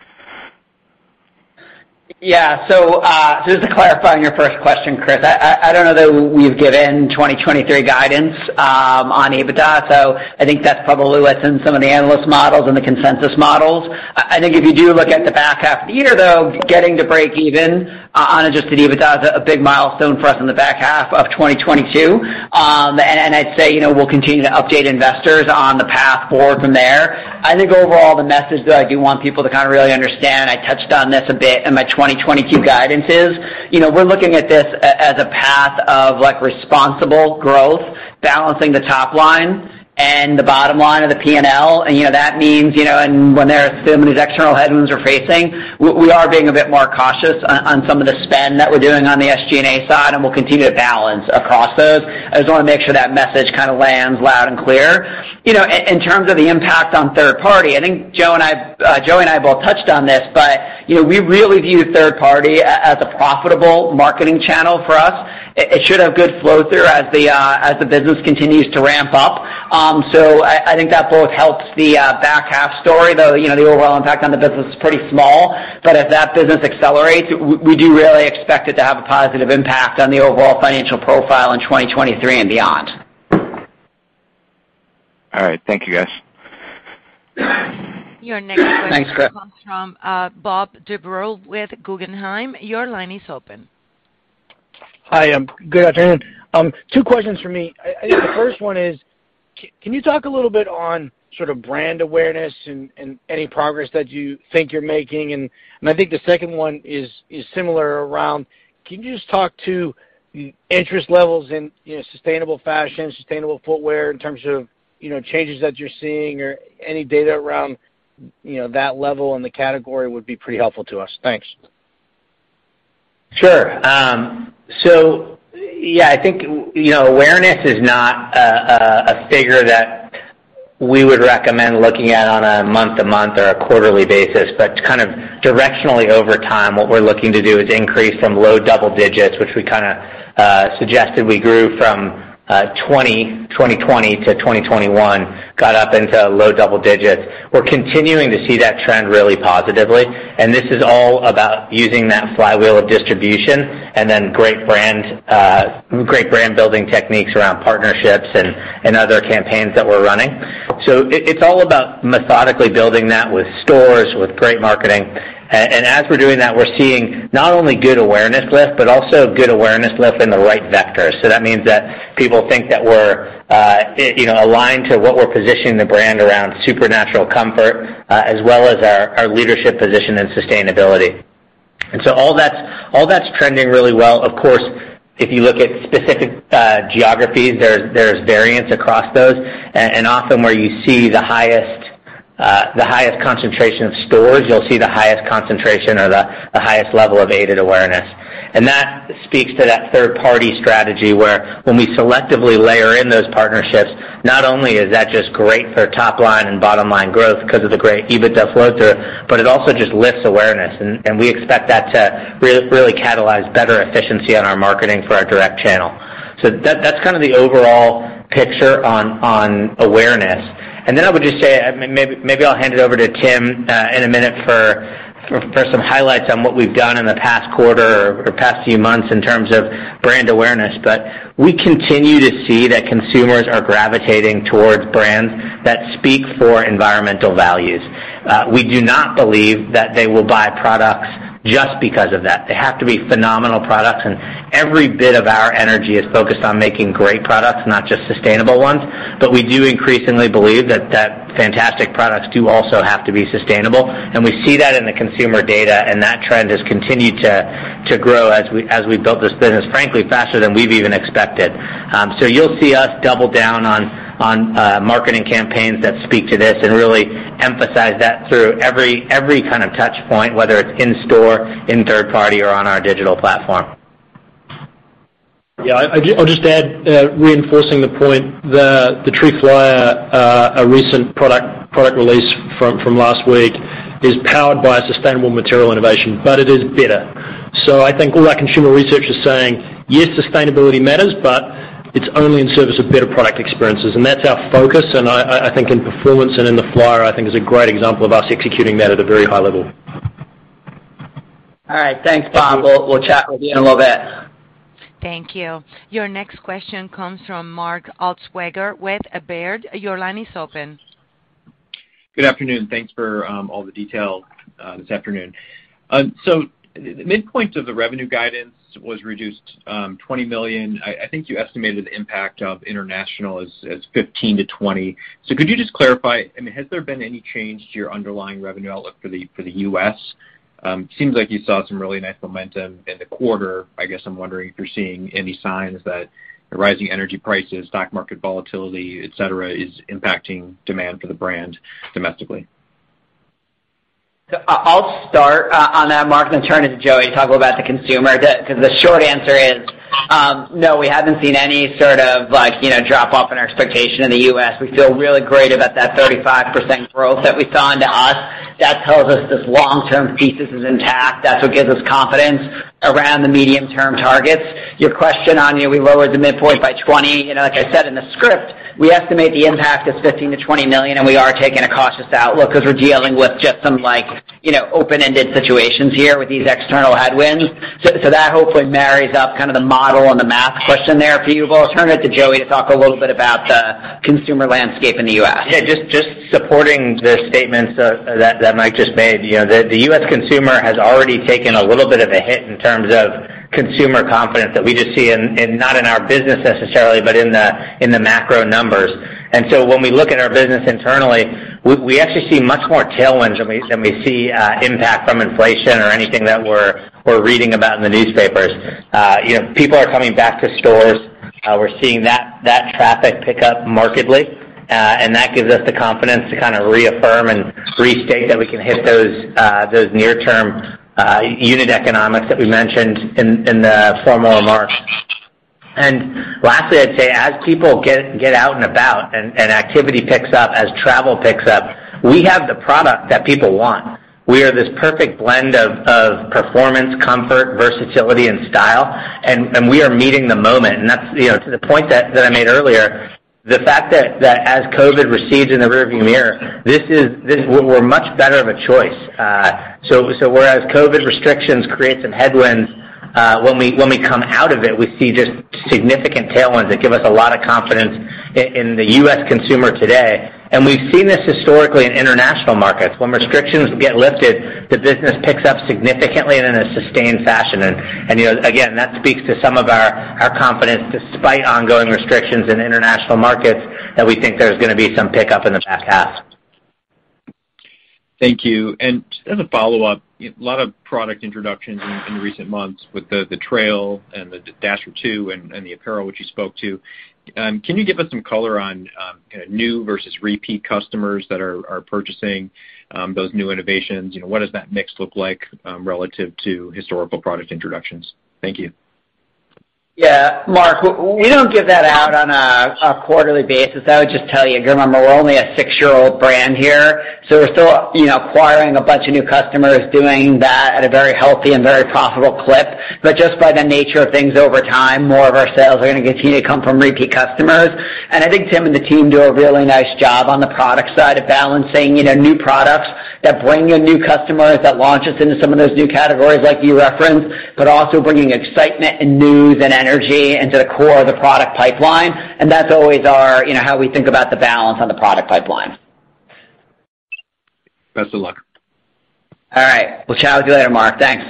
Yeah. Just to clarify on your first question, Chris, I don't know that we've given 2023 guidance on EBITDA, so I think that's probably less in some of the analyst models and the consensus models. I think if you do look at the back half of the year, though, getting to break even on adjusted EBITDA is a big milestone for us in the back half of 2022. And I'd say, you know, we'll continue to update investors on the path forward from there. I think overall, the message that I do want people to kind of really understand, I touched on this a bit in my 2022 guidance is, you know, we're looking at this as a path of, like, responsible growth, balancing the top line and the bottom line of the P&L. You know, that means, you know, and when there are some of these external headwinds we're facing, we are being a bit more cautious on some of the spend that we're doing on the SG&A side, and we'll continue to balance across those. I just wanna make sure that message kind of lands loud and clear. You know, in terms of the impact on third party, I think Joey and I both touched on this, but, you know, we really view third party as a profitable marketing channel for us. It should have good flow through as the business continues to ramp up. I think that both helps the back half story, though, you know, the overall impact on the business is pretty small. If that business accelerates, we do really expect it to have a positive impact on the overall financial profile in 2023 and beyond. All right. Thank you, guys. Your next question. Thanks, Chris. comes from, Bob Drbul with Guggenheim. Your line is open. Hi. Good afternoon. Two questions for me. I think the first one is can you talk a little bit on sort of brand awareness and any progress that you think you're making? I think the second one is similar around can you just talk to interest levels in, you know, sustainable fashion, sustainable footwear in terms of, you know, changes that you're seeing or any data around, you know, that level in the category would be pretty helpful to us. Thanks. Sure. Yeah, I think you know, awareness is not a figure that we would recommend looking at on a month-to-month or a quarterly basis. Kind of directionally over time, what we're looking to do is increase from low double digits, which we kind of suggested we grew from 2020 to 2021 got up into low double digits. We're continuing to see that trend really positively, and this is all about using that flywheel of distribution and then great brand building techniques around partnerships and other campaigns that we're running. It's all about methodically building that with stores, with great marketing. And as we're doing that, we're seeing not only good awareness lift, but also good awareness lift in the right vectors. That means that people think that we're, you know, aligned to what we're positioning the brand around supernatural comfort, as well as our leadership position in sustainability. All that's trending really well. Of course, if you look at specific geographies, there's variance across those. Often where you see the highest concentration of stores, you'll see the highest concentration or the highest level of aided awareness. That speaks to that third party strategy where when we selectively layer in those partnerships, not only is that just great for top line and bottom line growth because of the great EBITDA flow through, but it also just lifts awareness, and we expect that to really catalyze better efficiency on our marketing for our direct channel. That's kind of the overall picture on awareness. I would just say, maybe I'll hand it over to Tim in a minute for some highlights on what we've done in the past quarter or past few months in terms of brand awareness. We continue to see that consumers are gravitating toward brands that speak for environmental values. We do not believe that they will buy products just because of that. They have to be phenomenal products, and every bit of our energy is focused on making great products, not just sustainable ones. We do increasingly believe that fantastic products do also have to be sustainable, and we see that in the consumer data, and that trend has continued to grow as we built this business, frankly, faster than we've even expected. So you'll see us double down on marketing campaigns that speak to this and really emphasize that through every kind of touch point, whether it's in store, in third party, or on our digital platform. Yeah. I'll just add, reinforcing the point. The Tree Flyer, a recent product release from last week is powered by a sustainable material innovation, but it is better. So I think all that consumer research is saying, yes, sustainability matters, but it's only in service of better product experiences, and that's our focus. I think in performance and in the Flyer is a great example of us executing that at a very high level. All right. Thanks, Bob. We'll chat with you more then. Thank you. Your next question comes from Mark Altschwager with Baird. Your line is open. Good afternoon. Thanks for all the detail this afternoon. The midpoint of the revenue guidance was reduced $20 million. I think you estimated the impact of international as $15 million-$20 million. Could you just clarify, I mean, has there been any change to your underlying revenue outlook for the U.S.? Seems like you saw some really nice momentum in the quarter. I guess I'm wondering if you're seeing any signs that the rising energy prices, stock market volatility, et cetera, is impacting demand for the brand domestically. I'll start on that Mark, then turn it to Joey to talk a little about the consumer. 'Cause the short answer is, no, we haven't seen any sort of like, you know, drop off in our expectation in the US. We feel really great about that 35% growth that we saw in the U.S.. That tells us this long-term thesis is intact. That's what gives us confidence around the medium-term targets. Your question on, you know, we lowered the midpoint by 20, you know, like I said in the script, we estimate the impact is $15 million-$20 million, and we are taking a cautious outlook 'cause we're dealing with just some like, you know, open-ended situations here with these external headwinds. That hopefully marries up kind of the model and the math question there for you both. I'll turn it to Joey to talk a little bit about the consumer landscape in the U.S. Yeah, just supporting the statements that Mike just made. You know, the U.S. consumer has already taken a little bit of a hit in terms of consumer confidence that we just see in, not in our business necessarily, but in the macro numbers. When we look at our business internally, we actually see much more tailwinds than we see impact from inflation or anything that we're reading about in the newspapers. You know, people are coming back to stores. We're seeing that traffic pick up markedly, and that gives us the confidence to kind of reaffirm and restate that we can hit those near term unit economics that we mentioned in the formal remarks. Lastly, I'd say as people get out and about and activity picks up, as travel picks up, we have the product that people want. We are this perfect blend of performance, comfort, versatility, and style, and we are meeting the moment. That's, you know, to the point that I made earlier, the fact that as COVID recedes in the rearview mirror, this is. We're much better of a choice. Whereas COVID restrictions create some headwinds, when we come out of it, we see just significant tailwinds that give us a lot of confidence in the U.S. consumer today. We've seen this historically in international markets. When restrictions get lifted, the business picks up significantly and in a sustained fashion. You know, again, that speaks to some of our confidence despite ongoing restrictions in international markets that we think there's gonna be some pickup in the back half. Thank you. As a follow-up, a lot of product introductions in recent months with the Trail and the Dasher 2 and the apparel, which you spoke to. Can you give us some color on kind of new versus repeat customers that are purchasing those new innovations? You know, what does that mix look like relative to historical product introductions? Thank you. Yeah. Mark, we don't give that out on a quarterly basis. I would just tell you, remember, we're only a six-year-old brand here, so we're still, you know, acquiring a bunch of new customers, doing that at a very healthy and very profitable clip. Just by the nature of things over time, more of our sales are gonna continue to come from repeat customers. I think Tim and the team do a really nice job on the product side of balancing, you know, new products that bring in new customers, that launch us into some of those new categories like you referenced, but also bringing excitement and news and energy into the core of the product pipeline. That's always our, you know, how we think about the balance on the product pipeline. Best of luck. All right. We'll chat with you later, Mark. Thanks.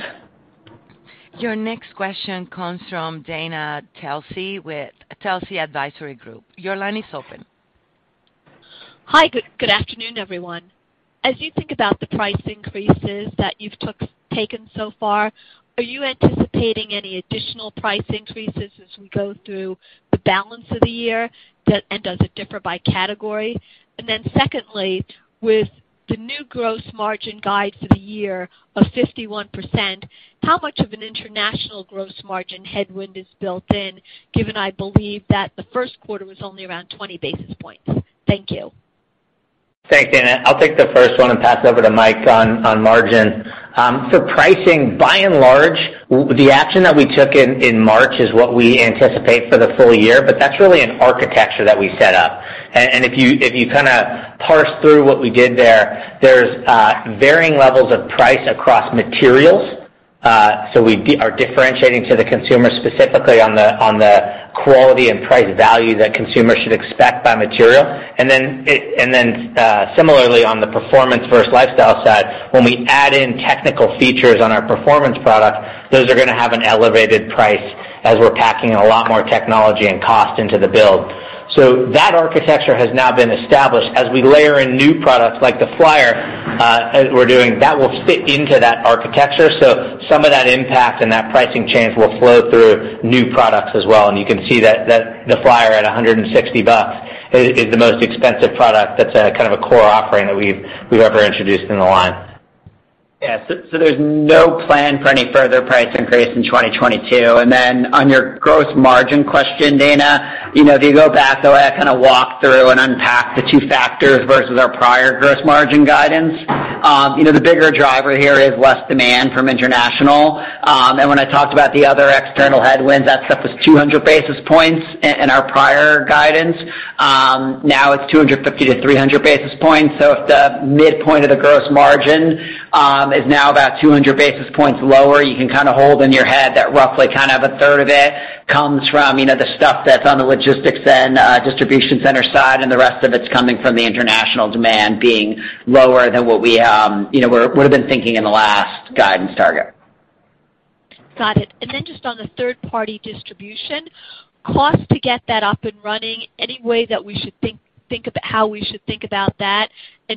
Your next question comes from Dana Telsey with Telsey Advisory Group. Your line is open. Hi. Good afternoon, everyone. As you think about the price increases that you've taken so far, are you anticipating any additional price increases as we go through the balance of the year and does it differ by category? Secondly, with the new gross margin guide for the year of 51%, how much of an international gross margin headwind is built in given I believe that the first quarter was only around 20 basis points? Thank you. Thanks, Dana. I'll take the first one and pass it over to Mike on margin. Pricing, by and large, the action that we took in March is what we anticipate for the full year, but that's really an architecture that we set up. If you kind of parse through what we did there's varying levels of price across materials. We are differentiating to the consumer specifically on the quality and price value that consumers should expect by material. Then, similarly on the performance versus lifestyle side, when we add in technical features on our performance product, those are gonna have an elevated price as we're packing a lot more technology and cost into the build. That architecture has now been established. As we layer in new products like the Flyer, as we're doing, that will fit into that architecture. Some of that impact and that pricing change will flow through new products as well, and you can see that the Flyer at $160 is the most expensive product that's kind of a core offering that we've ever introduced in the line. Yeah. There's no plan for any further price increase in 2022. Then on your gross margin question, Dana, you know, if you go back, so I kind of walk through and unpack the two factors versus our prior gross margin guidance. You know, the bigger driver here is less demand from international. When I talked about the other external headwinds, that stuff was 200 basis points in our prior guidance. Now it's 250 to 300 basis points. If the midpoint of the gross margin is now about 200 basis points lower, you can kind of hold in your head that roughly kind of a 1/3 of it comes from, you know, the stuff that's on the logistics and distribution center side, and the rest of it's coming from the international demand being lower than what we would've been thinking in the last guidance target. Got it. Just on the third-party distribution, cost to get that up and running, any way that we should think about how we should think about that?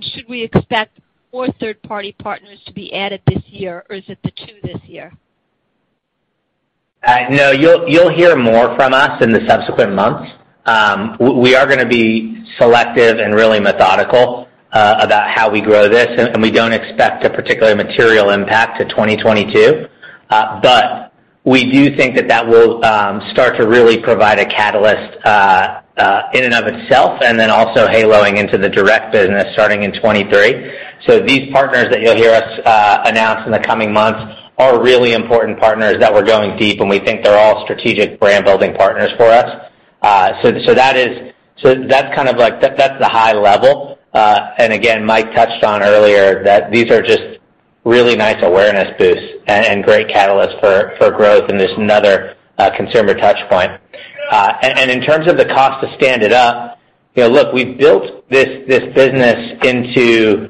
Should we expect more third-party partners to be added this year, or is it the two this year? No. You'll hear more from us in the subsequent months. We are gonna be selective and really methodical about how we grow this, and we don't expect a particular material impact to 2022. We do think that will start to really provide a catalyst in and of itself, and then also haloing into the direct business starting in 2023. These partners that you'll hear us announce in the coming months are really important partners that we're going deep, and we think they're all strategic brand building partners for us. That's the high level. Again, Mike touched on earlier that these are just really nice awareness boosts and great catalysts for growth, and there's another consumer touch point. In terms of the cost to stand it up, you know, look, we've built this business into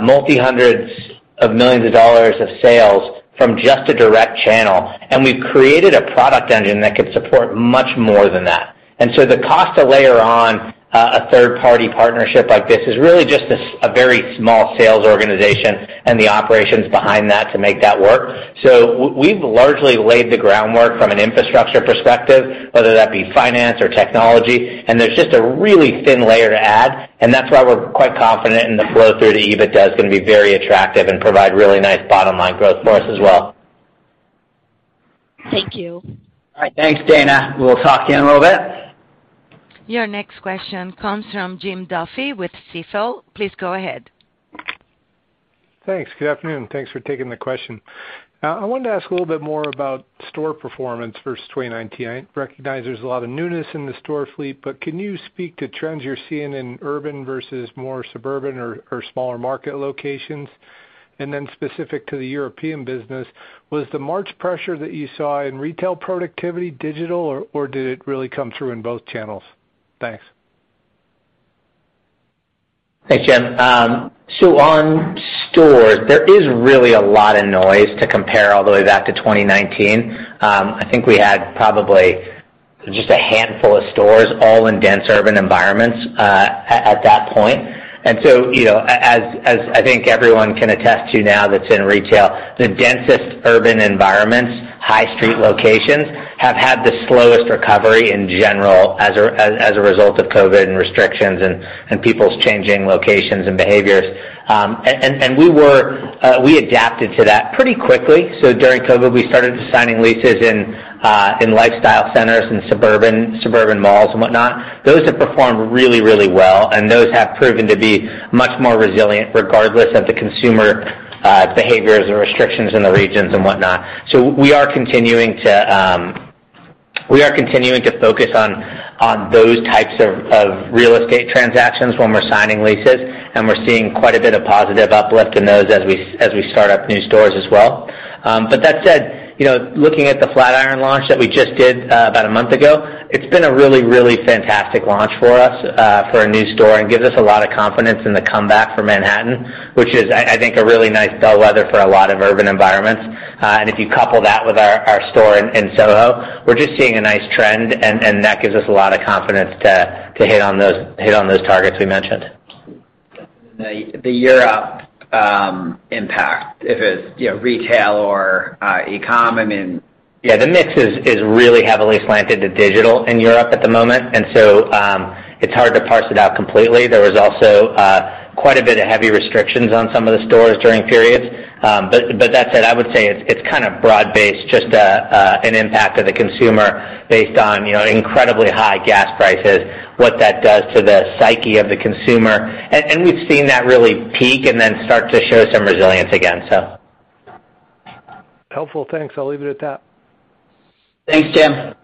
multi-hundreds of millions of dollars of sales from just a direct channel, and we've created a product engine that could support much more than that. The cost to layer on a third-party partnership like this is really just a very small sales organization and the operations behind that to make that work. We've largely laid the groundwork from an infrastructure perspective, whether that be finance or technology, and there's just a really thin layer to add, and that's why we're quite confident in the flow through to EBITDA is gonna be very attractive and provide really nice bottom line growth for us as well. Thank you. All right. Thanks, Dana. We'll talk to you in a little bit. Your next question comes from Jim Duffy with Stifel. Please go ahead. Thanks. Good afternoon. Thanks for taking the question. I wanted to ask a little bit more about store performance versus 2019. I recognize there's a lot of newness in the store fleet, but can you speak to trends you're seeing in urban versus more suburban or smaller market locations? Specific to the European business, was the March pressure that you saw in retail productivity digital or did it really come through in both channels? Thanks. Thanks, Jim. On stores, there is really a lot of noise to compare all the way back to 2019. I think we had probably just a handful of stores all in dense urban environments at that point. You know, as I think everyone can attest to now, that's in retail, the densest urban environments, high street locations have had the slowest recovery in general as a result of COVID and restrictions and people's changing locations and behaviors. We adapted to that pretty quickly. During COVID, we started signing leases in lifestyle centers and suburban malls and whatnot. Those have performed really, really well, and those have proven to be much more resilient regardless of the consumer behaviors or restrictions in the regions and whatnot. We are continuing to focus on those types of real estate transactions when we're signing leases, and we're seeing quite a bit of positive uplift in those as we start up new stores as well. That said, you know, looking at the Flatiron launch that we just did about a month ago, it's been a really fantastic launch for us for a new store and gives us a lot of confidence in the comeback for Manhattan, which, I think, is a really nice bellwether for a lot of urban environments. If you couple that with our store in Soho, we're just seeing a nice trend and that gives us a lot of confidence to hit on those targets we mentioned. The Europe impact, if it's, you know, retail or, e-com, I mean. Yeah, the mix is really heavily slanted to digital in Europe at the moment. It's hard to parse it out completely. There was also quite a bit of heavy restrictions on some of the stores during periods. But that said, I would say it's kind of broad-based, just an impact of the consumer based on, you know, incredibly high gas prices, what that does to the psyche of the consumer. We've seen that really peak and then start to show some resilience again. Helpful. Thanks. I'll leave it at that. Thanks, Jim.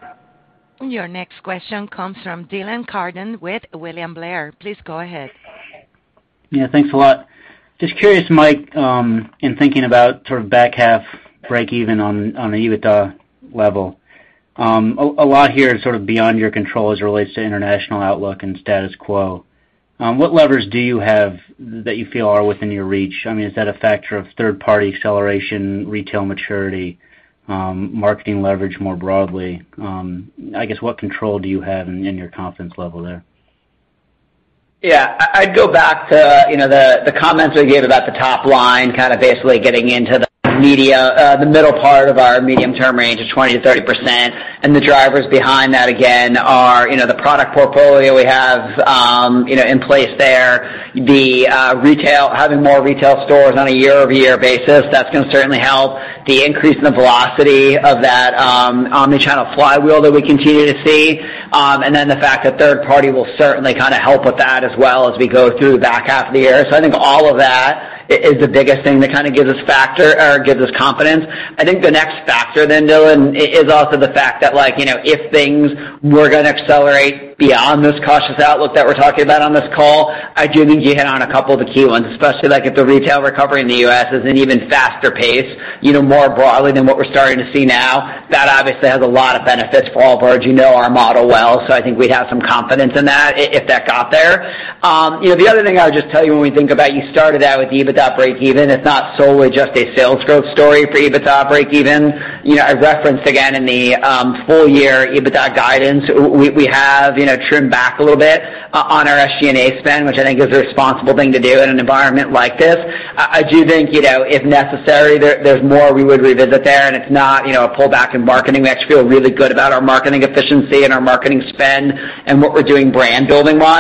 Your next question comes from Dylan Carden with William Blair. Please go ahead. Yeah, thanks a lot. Just curious, Mike, in thinking about sort of back half break even on the EBITDA level. A lot here is sort of beyond your control as it relates to international outlook and status quo. What levers do you have that you feel are within your reach? I mean, is that a factor of third-party acceleration, retail maturity, marketing leverage more broadly? I guess what control do you have in your confidence level there? Yeah. I'd go back to, you know, the comments I gave about the top line, kind of basically getting into the middle part of our medium-term range of 20%-30%. The drivers behind that again are, you know, the product portfolio we have in place there. The retail having more retail stores on a year-over-year basis, that's gonna certainly help. The increase in the velocity of that omnichannel flywheel that we continue to see. The fact that third-party will certainly kind of help with that as well as we go through the back half of the year. I think all of that is the biggest thing that kind of gives us factor or gives us confidence. I think the next factor then, Dylan, is also the fact that like, you know, if things were gonna accelerate beyond this cautious outlook that we're talking about on this call, I do think you hit on a couple of the key ones, especially like if the retail recovery in the U.S. is an even faster pace, you know, more broadly than what we're starting to see now. That obviously has a lot of benefits for Allbirds. You know our model well, so I think we'd have some confidence in that if that got there. You know, the other thing I would just tell you when we think about you started out with EBITDA breakeven, it's not solely just a sales growth story for EBITDA breakeven. You know, I referenced again in the full year EBITDA guidance, we have, you know, trimmed back a little bit on our SG&A spend, which I think is a responsible thing to do in an environment like this. I do think, you know, if necessary, there's more we would revisit there, and it's not, you know, a pullback in marketing. We actually feel really good about our marketing efficiency and our marketing spend and what we're doing brand building wise.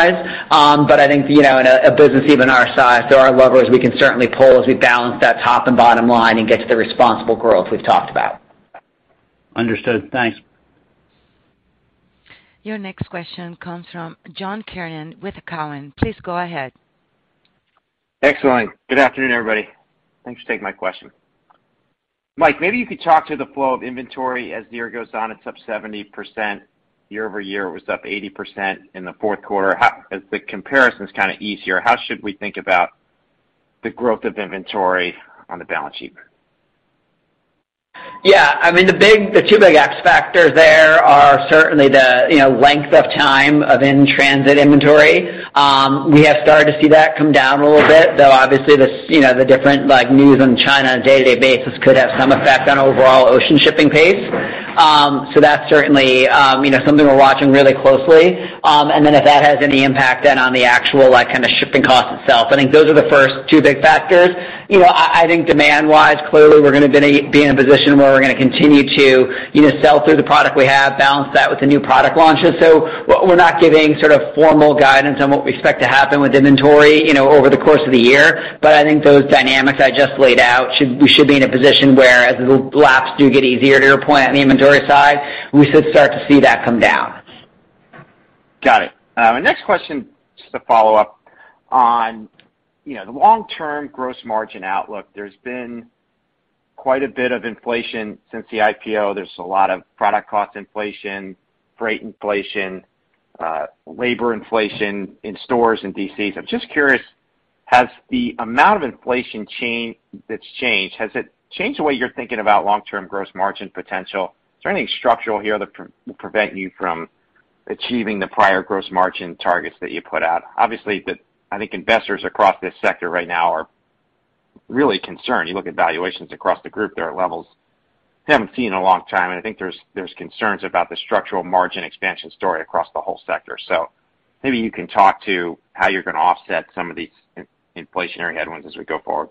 I think, you know, in a business even our size, there are levers we can certainly pull as we balance that top and bottom line and get to the responsible growth we've talked about. Understood. Thanks. Your next question comes from John Kernan with Cowen. Please go ahead. Excellent. Good afternoon, everybody. Thanks for taking my question. Mike, maybe you could talk to the flow of inventory as the year goes on. It's up 70%. Year-over-year, it was up 80% in the fourth quarter. How, as the comparison's kinda easier, how should we think about the growth of inventory on the balance sheet? Yeah. I mean, the two big X factors there are certainly the, you know, length of time of in-transit inventory. We have started to see that come down a little bit, though obviously you know, the different, like, news on China on a day-to-day basis could have some effect on overall ocean shipping pace. That's certainly you know, something we're watching really closely. If that has any impact then on the actual, like, kind of shipping cost itself, I think those are the first two big factors. You know, I think demand-wise, clearly we're gonna be in a position where we're gonna continue to, you know, sell through the product we have, balance that with the new product launches. We're not giving sort of formal guidance on what we expect to happen with inventory, you know, over the course of the year, but I think those dynamics I just laid out, we should be in a position where as the laps do get easier to your point on the inventory side, we should start to see that come down. Got it. My next question, just to follow up on, you know, the long-term gross margin outlook. There's been quite a bit of inflation since the IPO. There's a lot of product cost inflation, freight inflation, labor inflation in stores in DCs. I'm just curious, has the amount of inflation that's changed, has it changed the way you're thinking about long-term gross margin potential? Is there anything structural here that will prevent you from achieving the prior gross margin targets that you put out? Obviously, I think investors across this sector right now are really concerned. You look at valuations across the group, they're at levels we haven't seen in a long time. I think there's concerns about the structural margin expansion story across the whole sector. Maybe you can talk to how you're gonna offset some of these inflationary headwinds as we go forward.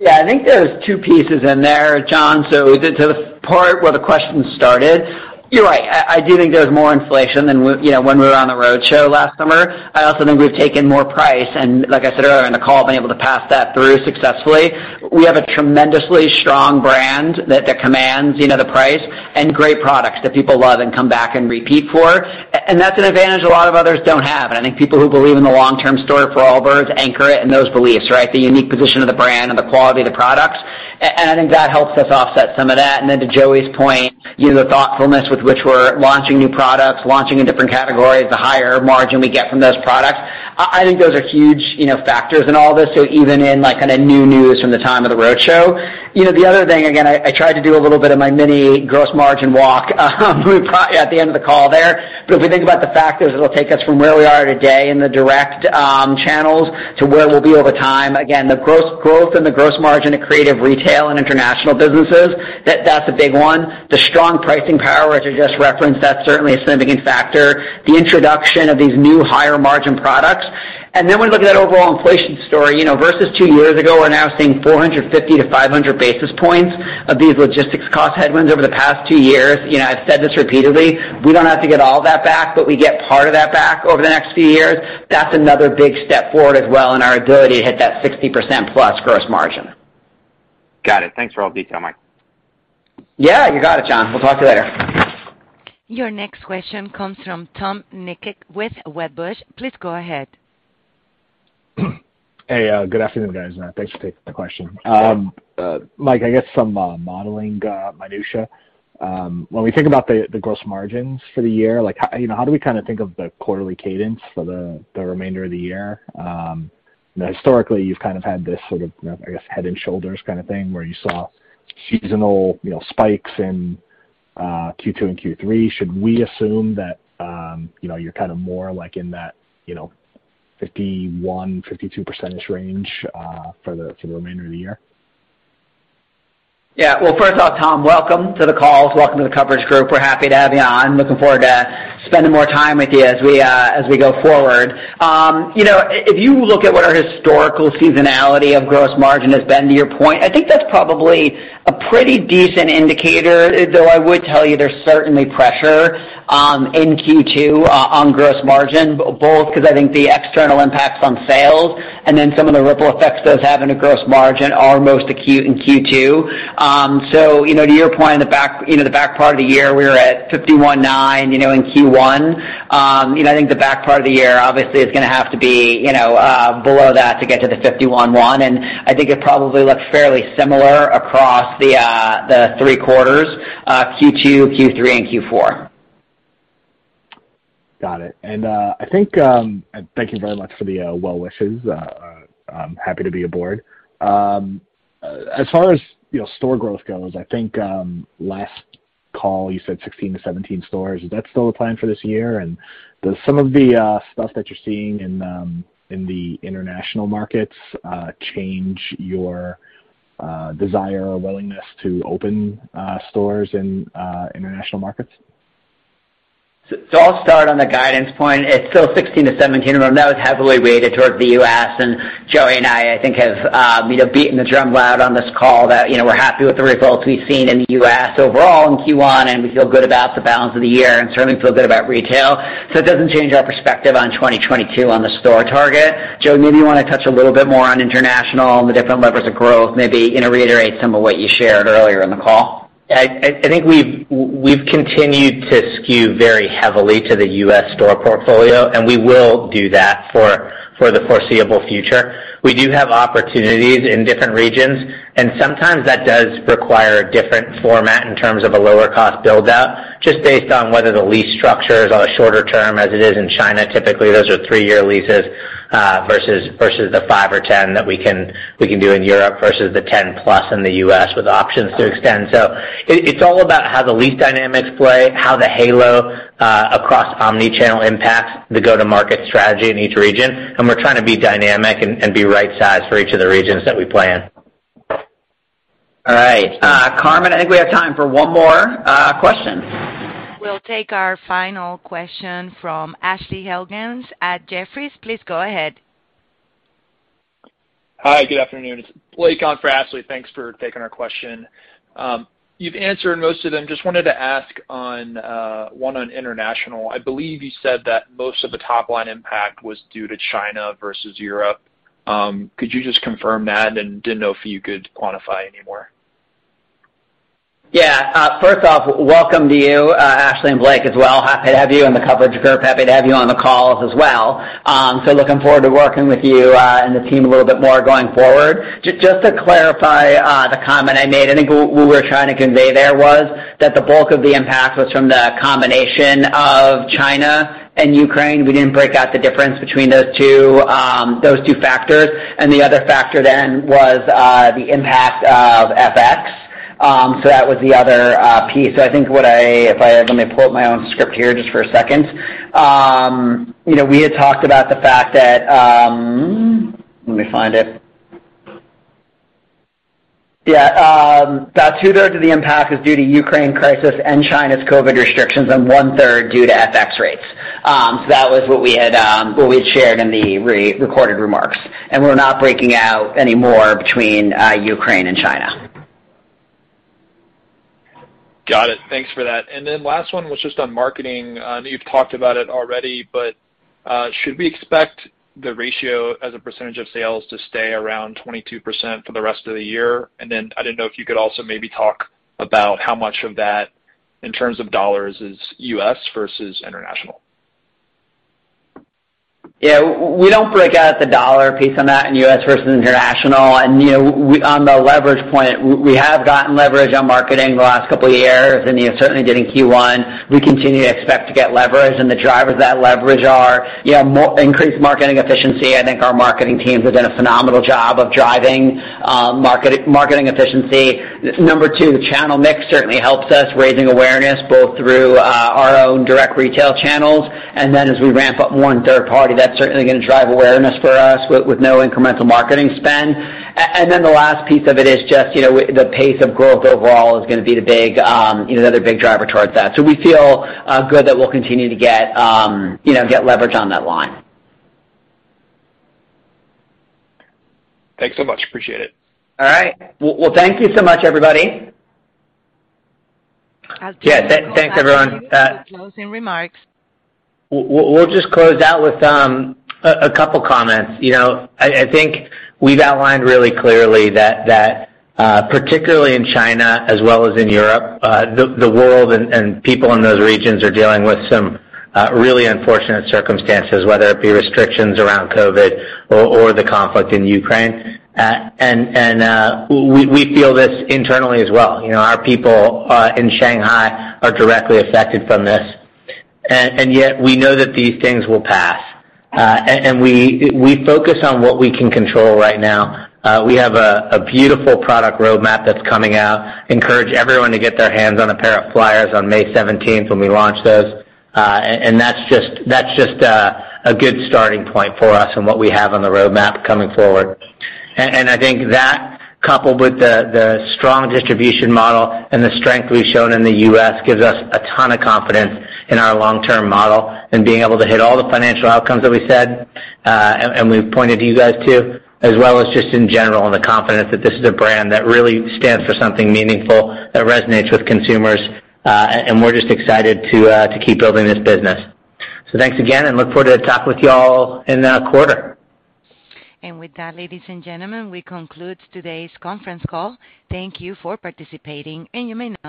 Yeah. I think there's two pieces in there, John. To the part where the question started, you're right. I do think there's more inflation than when, you know, when we were on the roadshow last summer. I also think we've taken more price, and like I said earlier in the call, been able to pass that through successfully. We have a tremendously strong brand that commands, you know, the price and great products that people love and come back and repeat for. And that's an advantage a lot of others don't have. I think people who believe in the long-term story for Allbirds anchor it in those beliefs, right? The unique position of the brand and the quality of the products. I think that helps us offset some of that. To Joey's point, you know, the thoughtfulness with which we're launching new products, launching in different categories, the higher margin we get from those products. I think those are huge, you know, factors in all this. Even in, like, kind of new news from the time of the roadshow. You know, the other thing, again, I tried to do a little bit of my mini gross margin walk at the end of the call there. If we think about the factors that'll take us from where we are today in the direct channels to where we'll be over time, again, the gross growth and the gross margin of DTC retail and international businesses, that's a big one. The strong pricing power, which I just referenced, that's certainly a significant factor. The introduction of these new higher margin products. when you look at that overall inflation story, you know, versus two years ago, we're now seeing 450-500 basis points of these logistics cost headwinds over the past two years. You know, I've said this repeatedly, we don't have to get all that back, but we get part of that back over the next few years. That's another big step forward as well in our ability to hit that 60%+ gross margin. Got it. Thanks for all the detail, Mike. Yeah. You got it, John. We'll talk to you later. Your next question comes from Tom Nikic with Wedbush. Please go ahead. Hey, good afternoon, guys. Thanks for taking the question. Mike, I guess some modeling minutiae. When we think about the gross margins for the year, like, how do we kind of think of the quarterly cadence for the remainder of the year? Historically, you've kind of had this sort of, I guess, head and shoulders kind of thing where you saw seasonal, you know, spikes in Q2 and Q3. Should we assume that, you know, you're kind of more like in that, you know, 51-52% range for the remainder of the year? Yeah. Well, first off, Tom, welcome to the call. Welcome to the coverage group. We're happy to have you on. Looking forward to spending more time with you as we go forward. You know, if you look at what our historical seasonality of gross margin has been to your point, I think that's probably a pretty decent indicator, though I would tell you there's certainly pressure in Q2 on gross margin, both 'cause I think the external impacts on sales and then some of the ripple effects those have in the gross margin are most acute in Q2. So, you know, to your point in the back, you know, the back part of the year, we were at 51.9%, you know, in Q1. You know, I think the back part of the year obviously is gonna have to be, you know, below that to get to the 51.1, and I think it probably looks fairly similar across the three quarters, Q2, Q3, and Q4. Got it. Thank you very much for the well wishes. I'm happy to be aboard. As far as, you know, store growth goes, I think last call you said 16-17 stores. Is that still the plan for this year? Does some of the stuff that you're seeing in the international markets change your desire or willingness to open stores in international markets? I'll start on the guidance point. It's still 16-17, and that was heavily weighted towards the U.S. Joey and I think, have, you know, beaten the drum loud on this call that, you know, we're happy with the results we've seen in the U.S. overall in Q1, and we feel good about the balance of the year and certainly feel good about retail. It doesn't change our perspective on 2022 on the store target. Joey, maybe you wanna touch a little bit more on international and the different levers of growth, maybe, you know, reiterate some of what you shared earlier in the call. I think we've continued to skew very heavily to the US store portfolio, and we will do that for the foreseeable future. We do have opportunities in different regions, and sometimes that does require a different format in terms of a lower cost build out, just based on whether the lease structure is on a shorter term as it is in China. Typically, those are three-year leases versus the five or 10 that we can do in Europe versus the 10+ in the U.S. with options to extend. It's all about how the lease dynamics play, how the halo across omni-channel impacts the go-to-market strategy in each region. We're trying to be dynamic and be right sized for each of the regions that we play in. All right. Carmen, I think we have time for one more question. We'll take our final question from Ashley Helgans at Jefferies. Please go ahead. Hi, good afternoon. It's Blake on for Ashley. Thanks for taking our question. You've answered most of them. Just wanted to ask on one on international. I believe you said that most of the top line impact was due to China versus Europe. Could you just confirm that? Didn't know if you could quantify any more. Yeah. First off, welcome to you, Ashley and Blake as well. Happy to have you in the coverage group. Happy to have you on the call as well. Looking forward to working with you, and the team a little bit more going forward. Just to clarify, the comment I made, I think what we were trying to convey there was that the bulk of the impact was from the combination of China and Ukraine. We didn't break out the difference between those two factors, and the other factor then was the impact of FX. That was the other piece. I think if I let me pull up my own script here just for a second. You know, we had talked about the fact that. Let me find it. Yeah, about two-thirds of the impact is due to Ukraine crisis and China's COVID restrictions and one-third due to FX rates. That was what we had shared in the pre-recorded remarks. We're not breaking out any more between Ukraine and China. Got it. Thanks for that. Last one was just on marketing. I know you've talked about it already, but should we expect the ratio as a percentage of sales to stay around 22% for the rest of the year? I didn't know if you could also maybe talk about how much of that in terms of dollars is U.S. versus international. Yeah. We don't break out the dollar piece on that in U.S. versus international. You know, we have gotten leverage on marketing the last couple of years, you know, certainly in Q1. We continue to expect to get leverage, and the drivers of that leverage are, you know, increased marketing efficiency. I think our marketing teams have done a phenomenal job of driving marketing efficiency. Number two, channel mix certainly helps us, raising awareness both through our own direct retail channels and then as we ramp up more in third-party, that's certainly gonna drive awareness for us with no incremental marketing spend. Then the last piece of it is just, you know, the pace of growth overall is gonna be the big, you know, the other big driver towards that. We feel good that we'll continue to get, you know, leverage on that line. Thanks so much. Appreciate it. All right. Well, thank you so much, everybody. Yeah. Thanks, everyone. Closing remarks. We'll just close out with a couple comments. You know, I think we've outlined really clearly that particularly in China as well as in Europe, the world and people in those regions are dealing with some really unfortunate circumstances, whether it be restrictions around COVID or the conflict in Ukraine. We feel this internally as well. You know, our people in Shanghai are directly affected from this. Yet we know that these things will pass. We focus on what we can control right now. We have a beautiful product roadmap that's coming out. Encourage everyone to get their hands on a pair of Flyers on 17th May when we launch those. That's just a good starting point for us and what we have on the roadmap coming forward. I think that coupled with the strong distribution model and the strength we've shown in the U.S. gives us a ton of confidence in our long-term model and being able to hit all the financial outcomes that we said, and we've pointed you guys to, as well as just in general and the confidence that this is a brand that really stands for something meaningful, that resonates with consumers. And we're just excited to keep building this business. Thanks again, and look forward to talk with y'all in the quarter. With that, ladies and gentlemen, we conclude today's conference call. Thank you for participating, and you may now disconnect.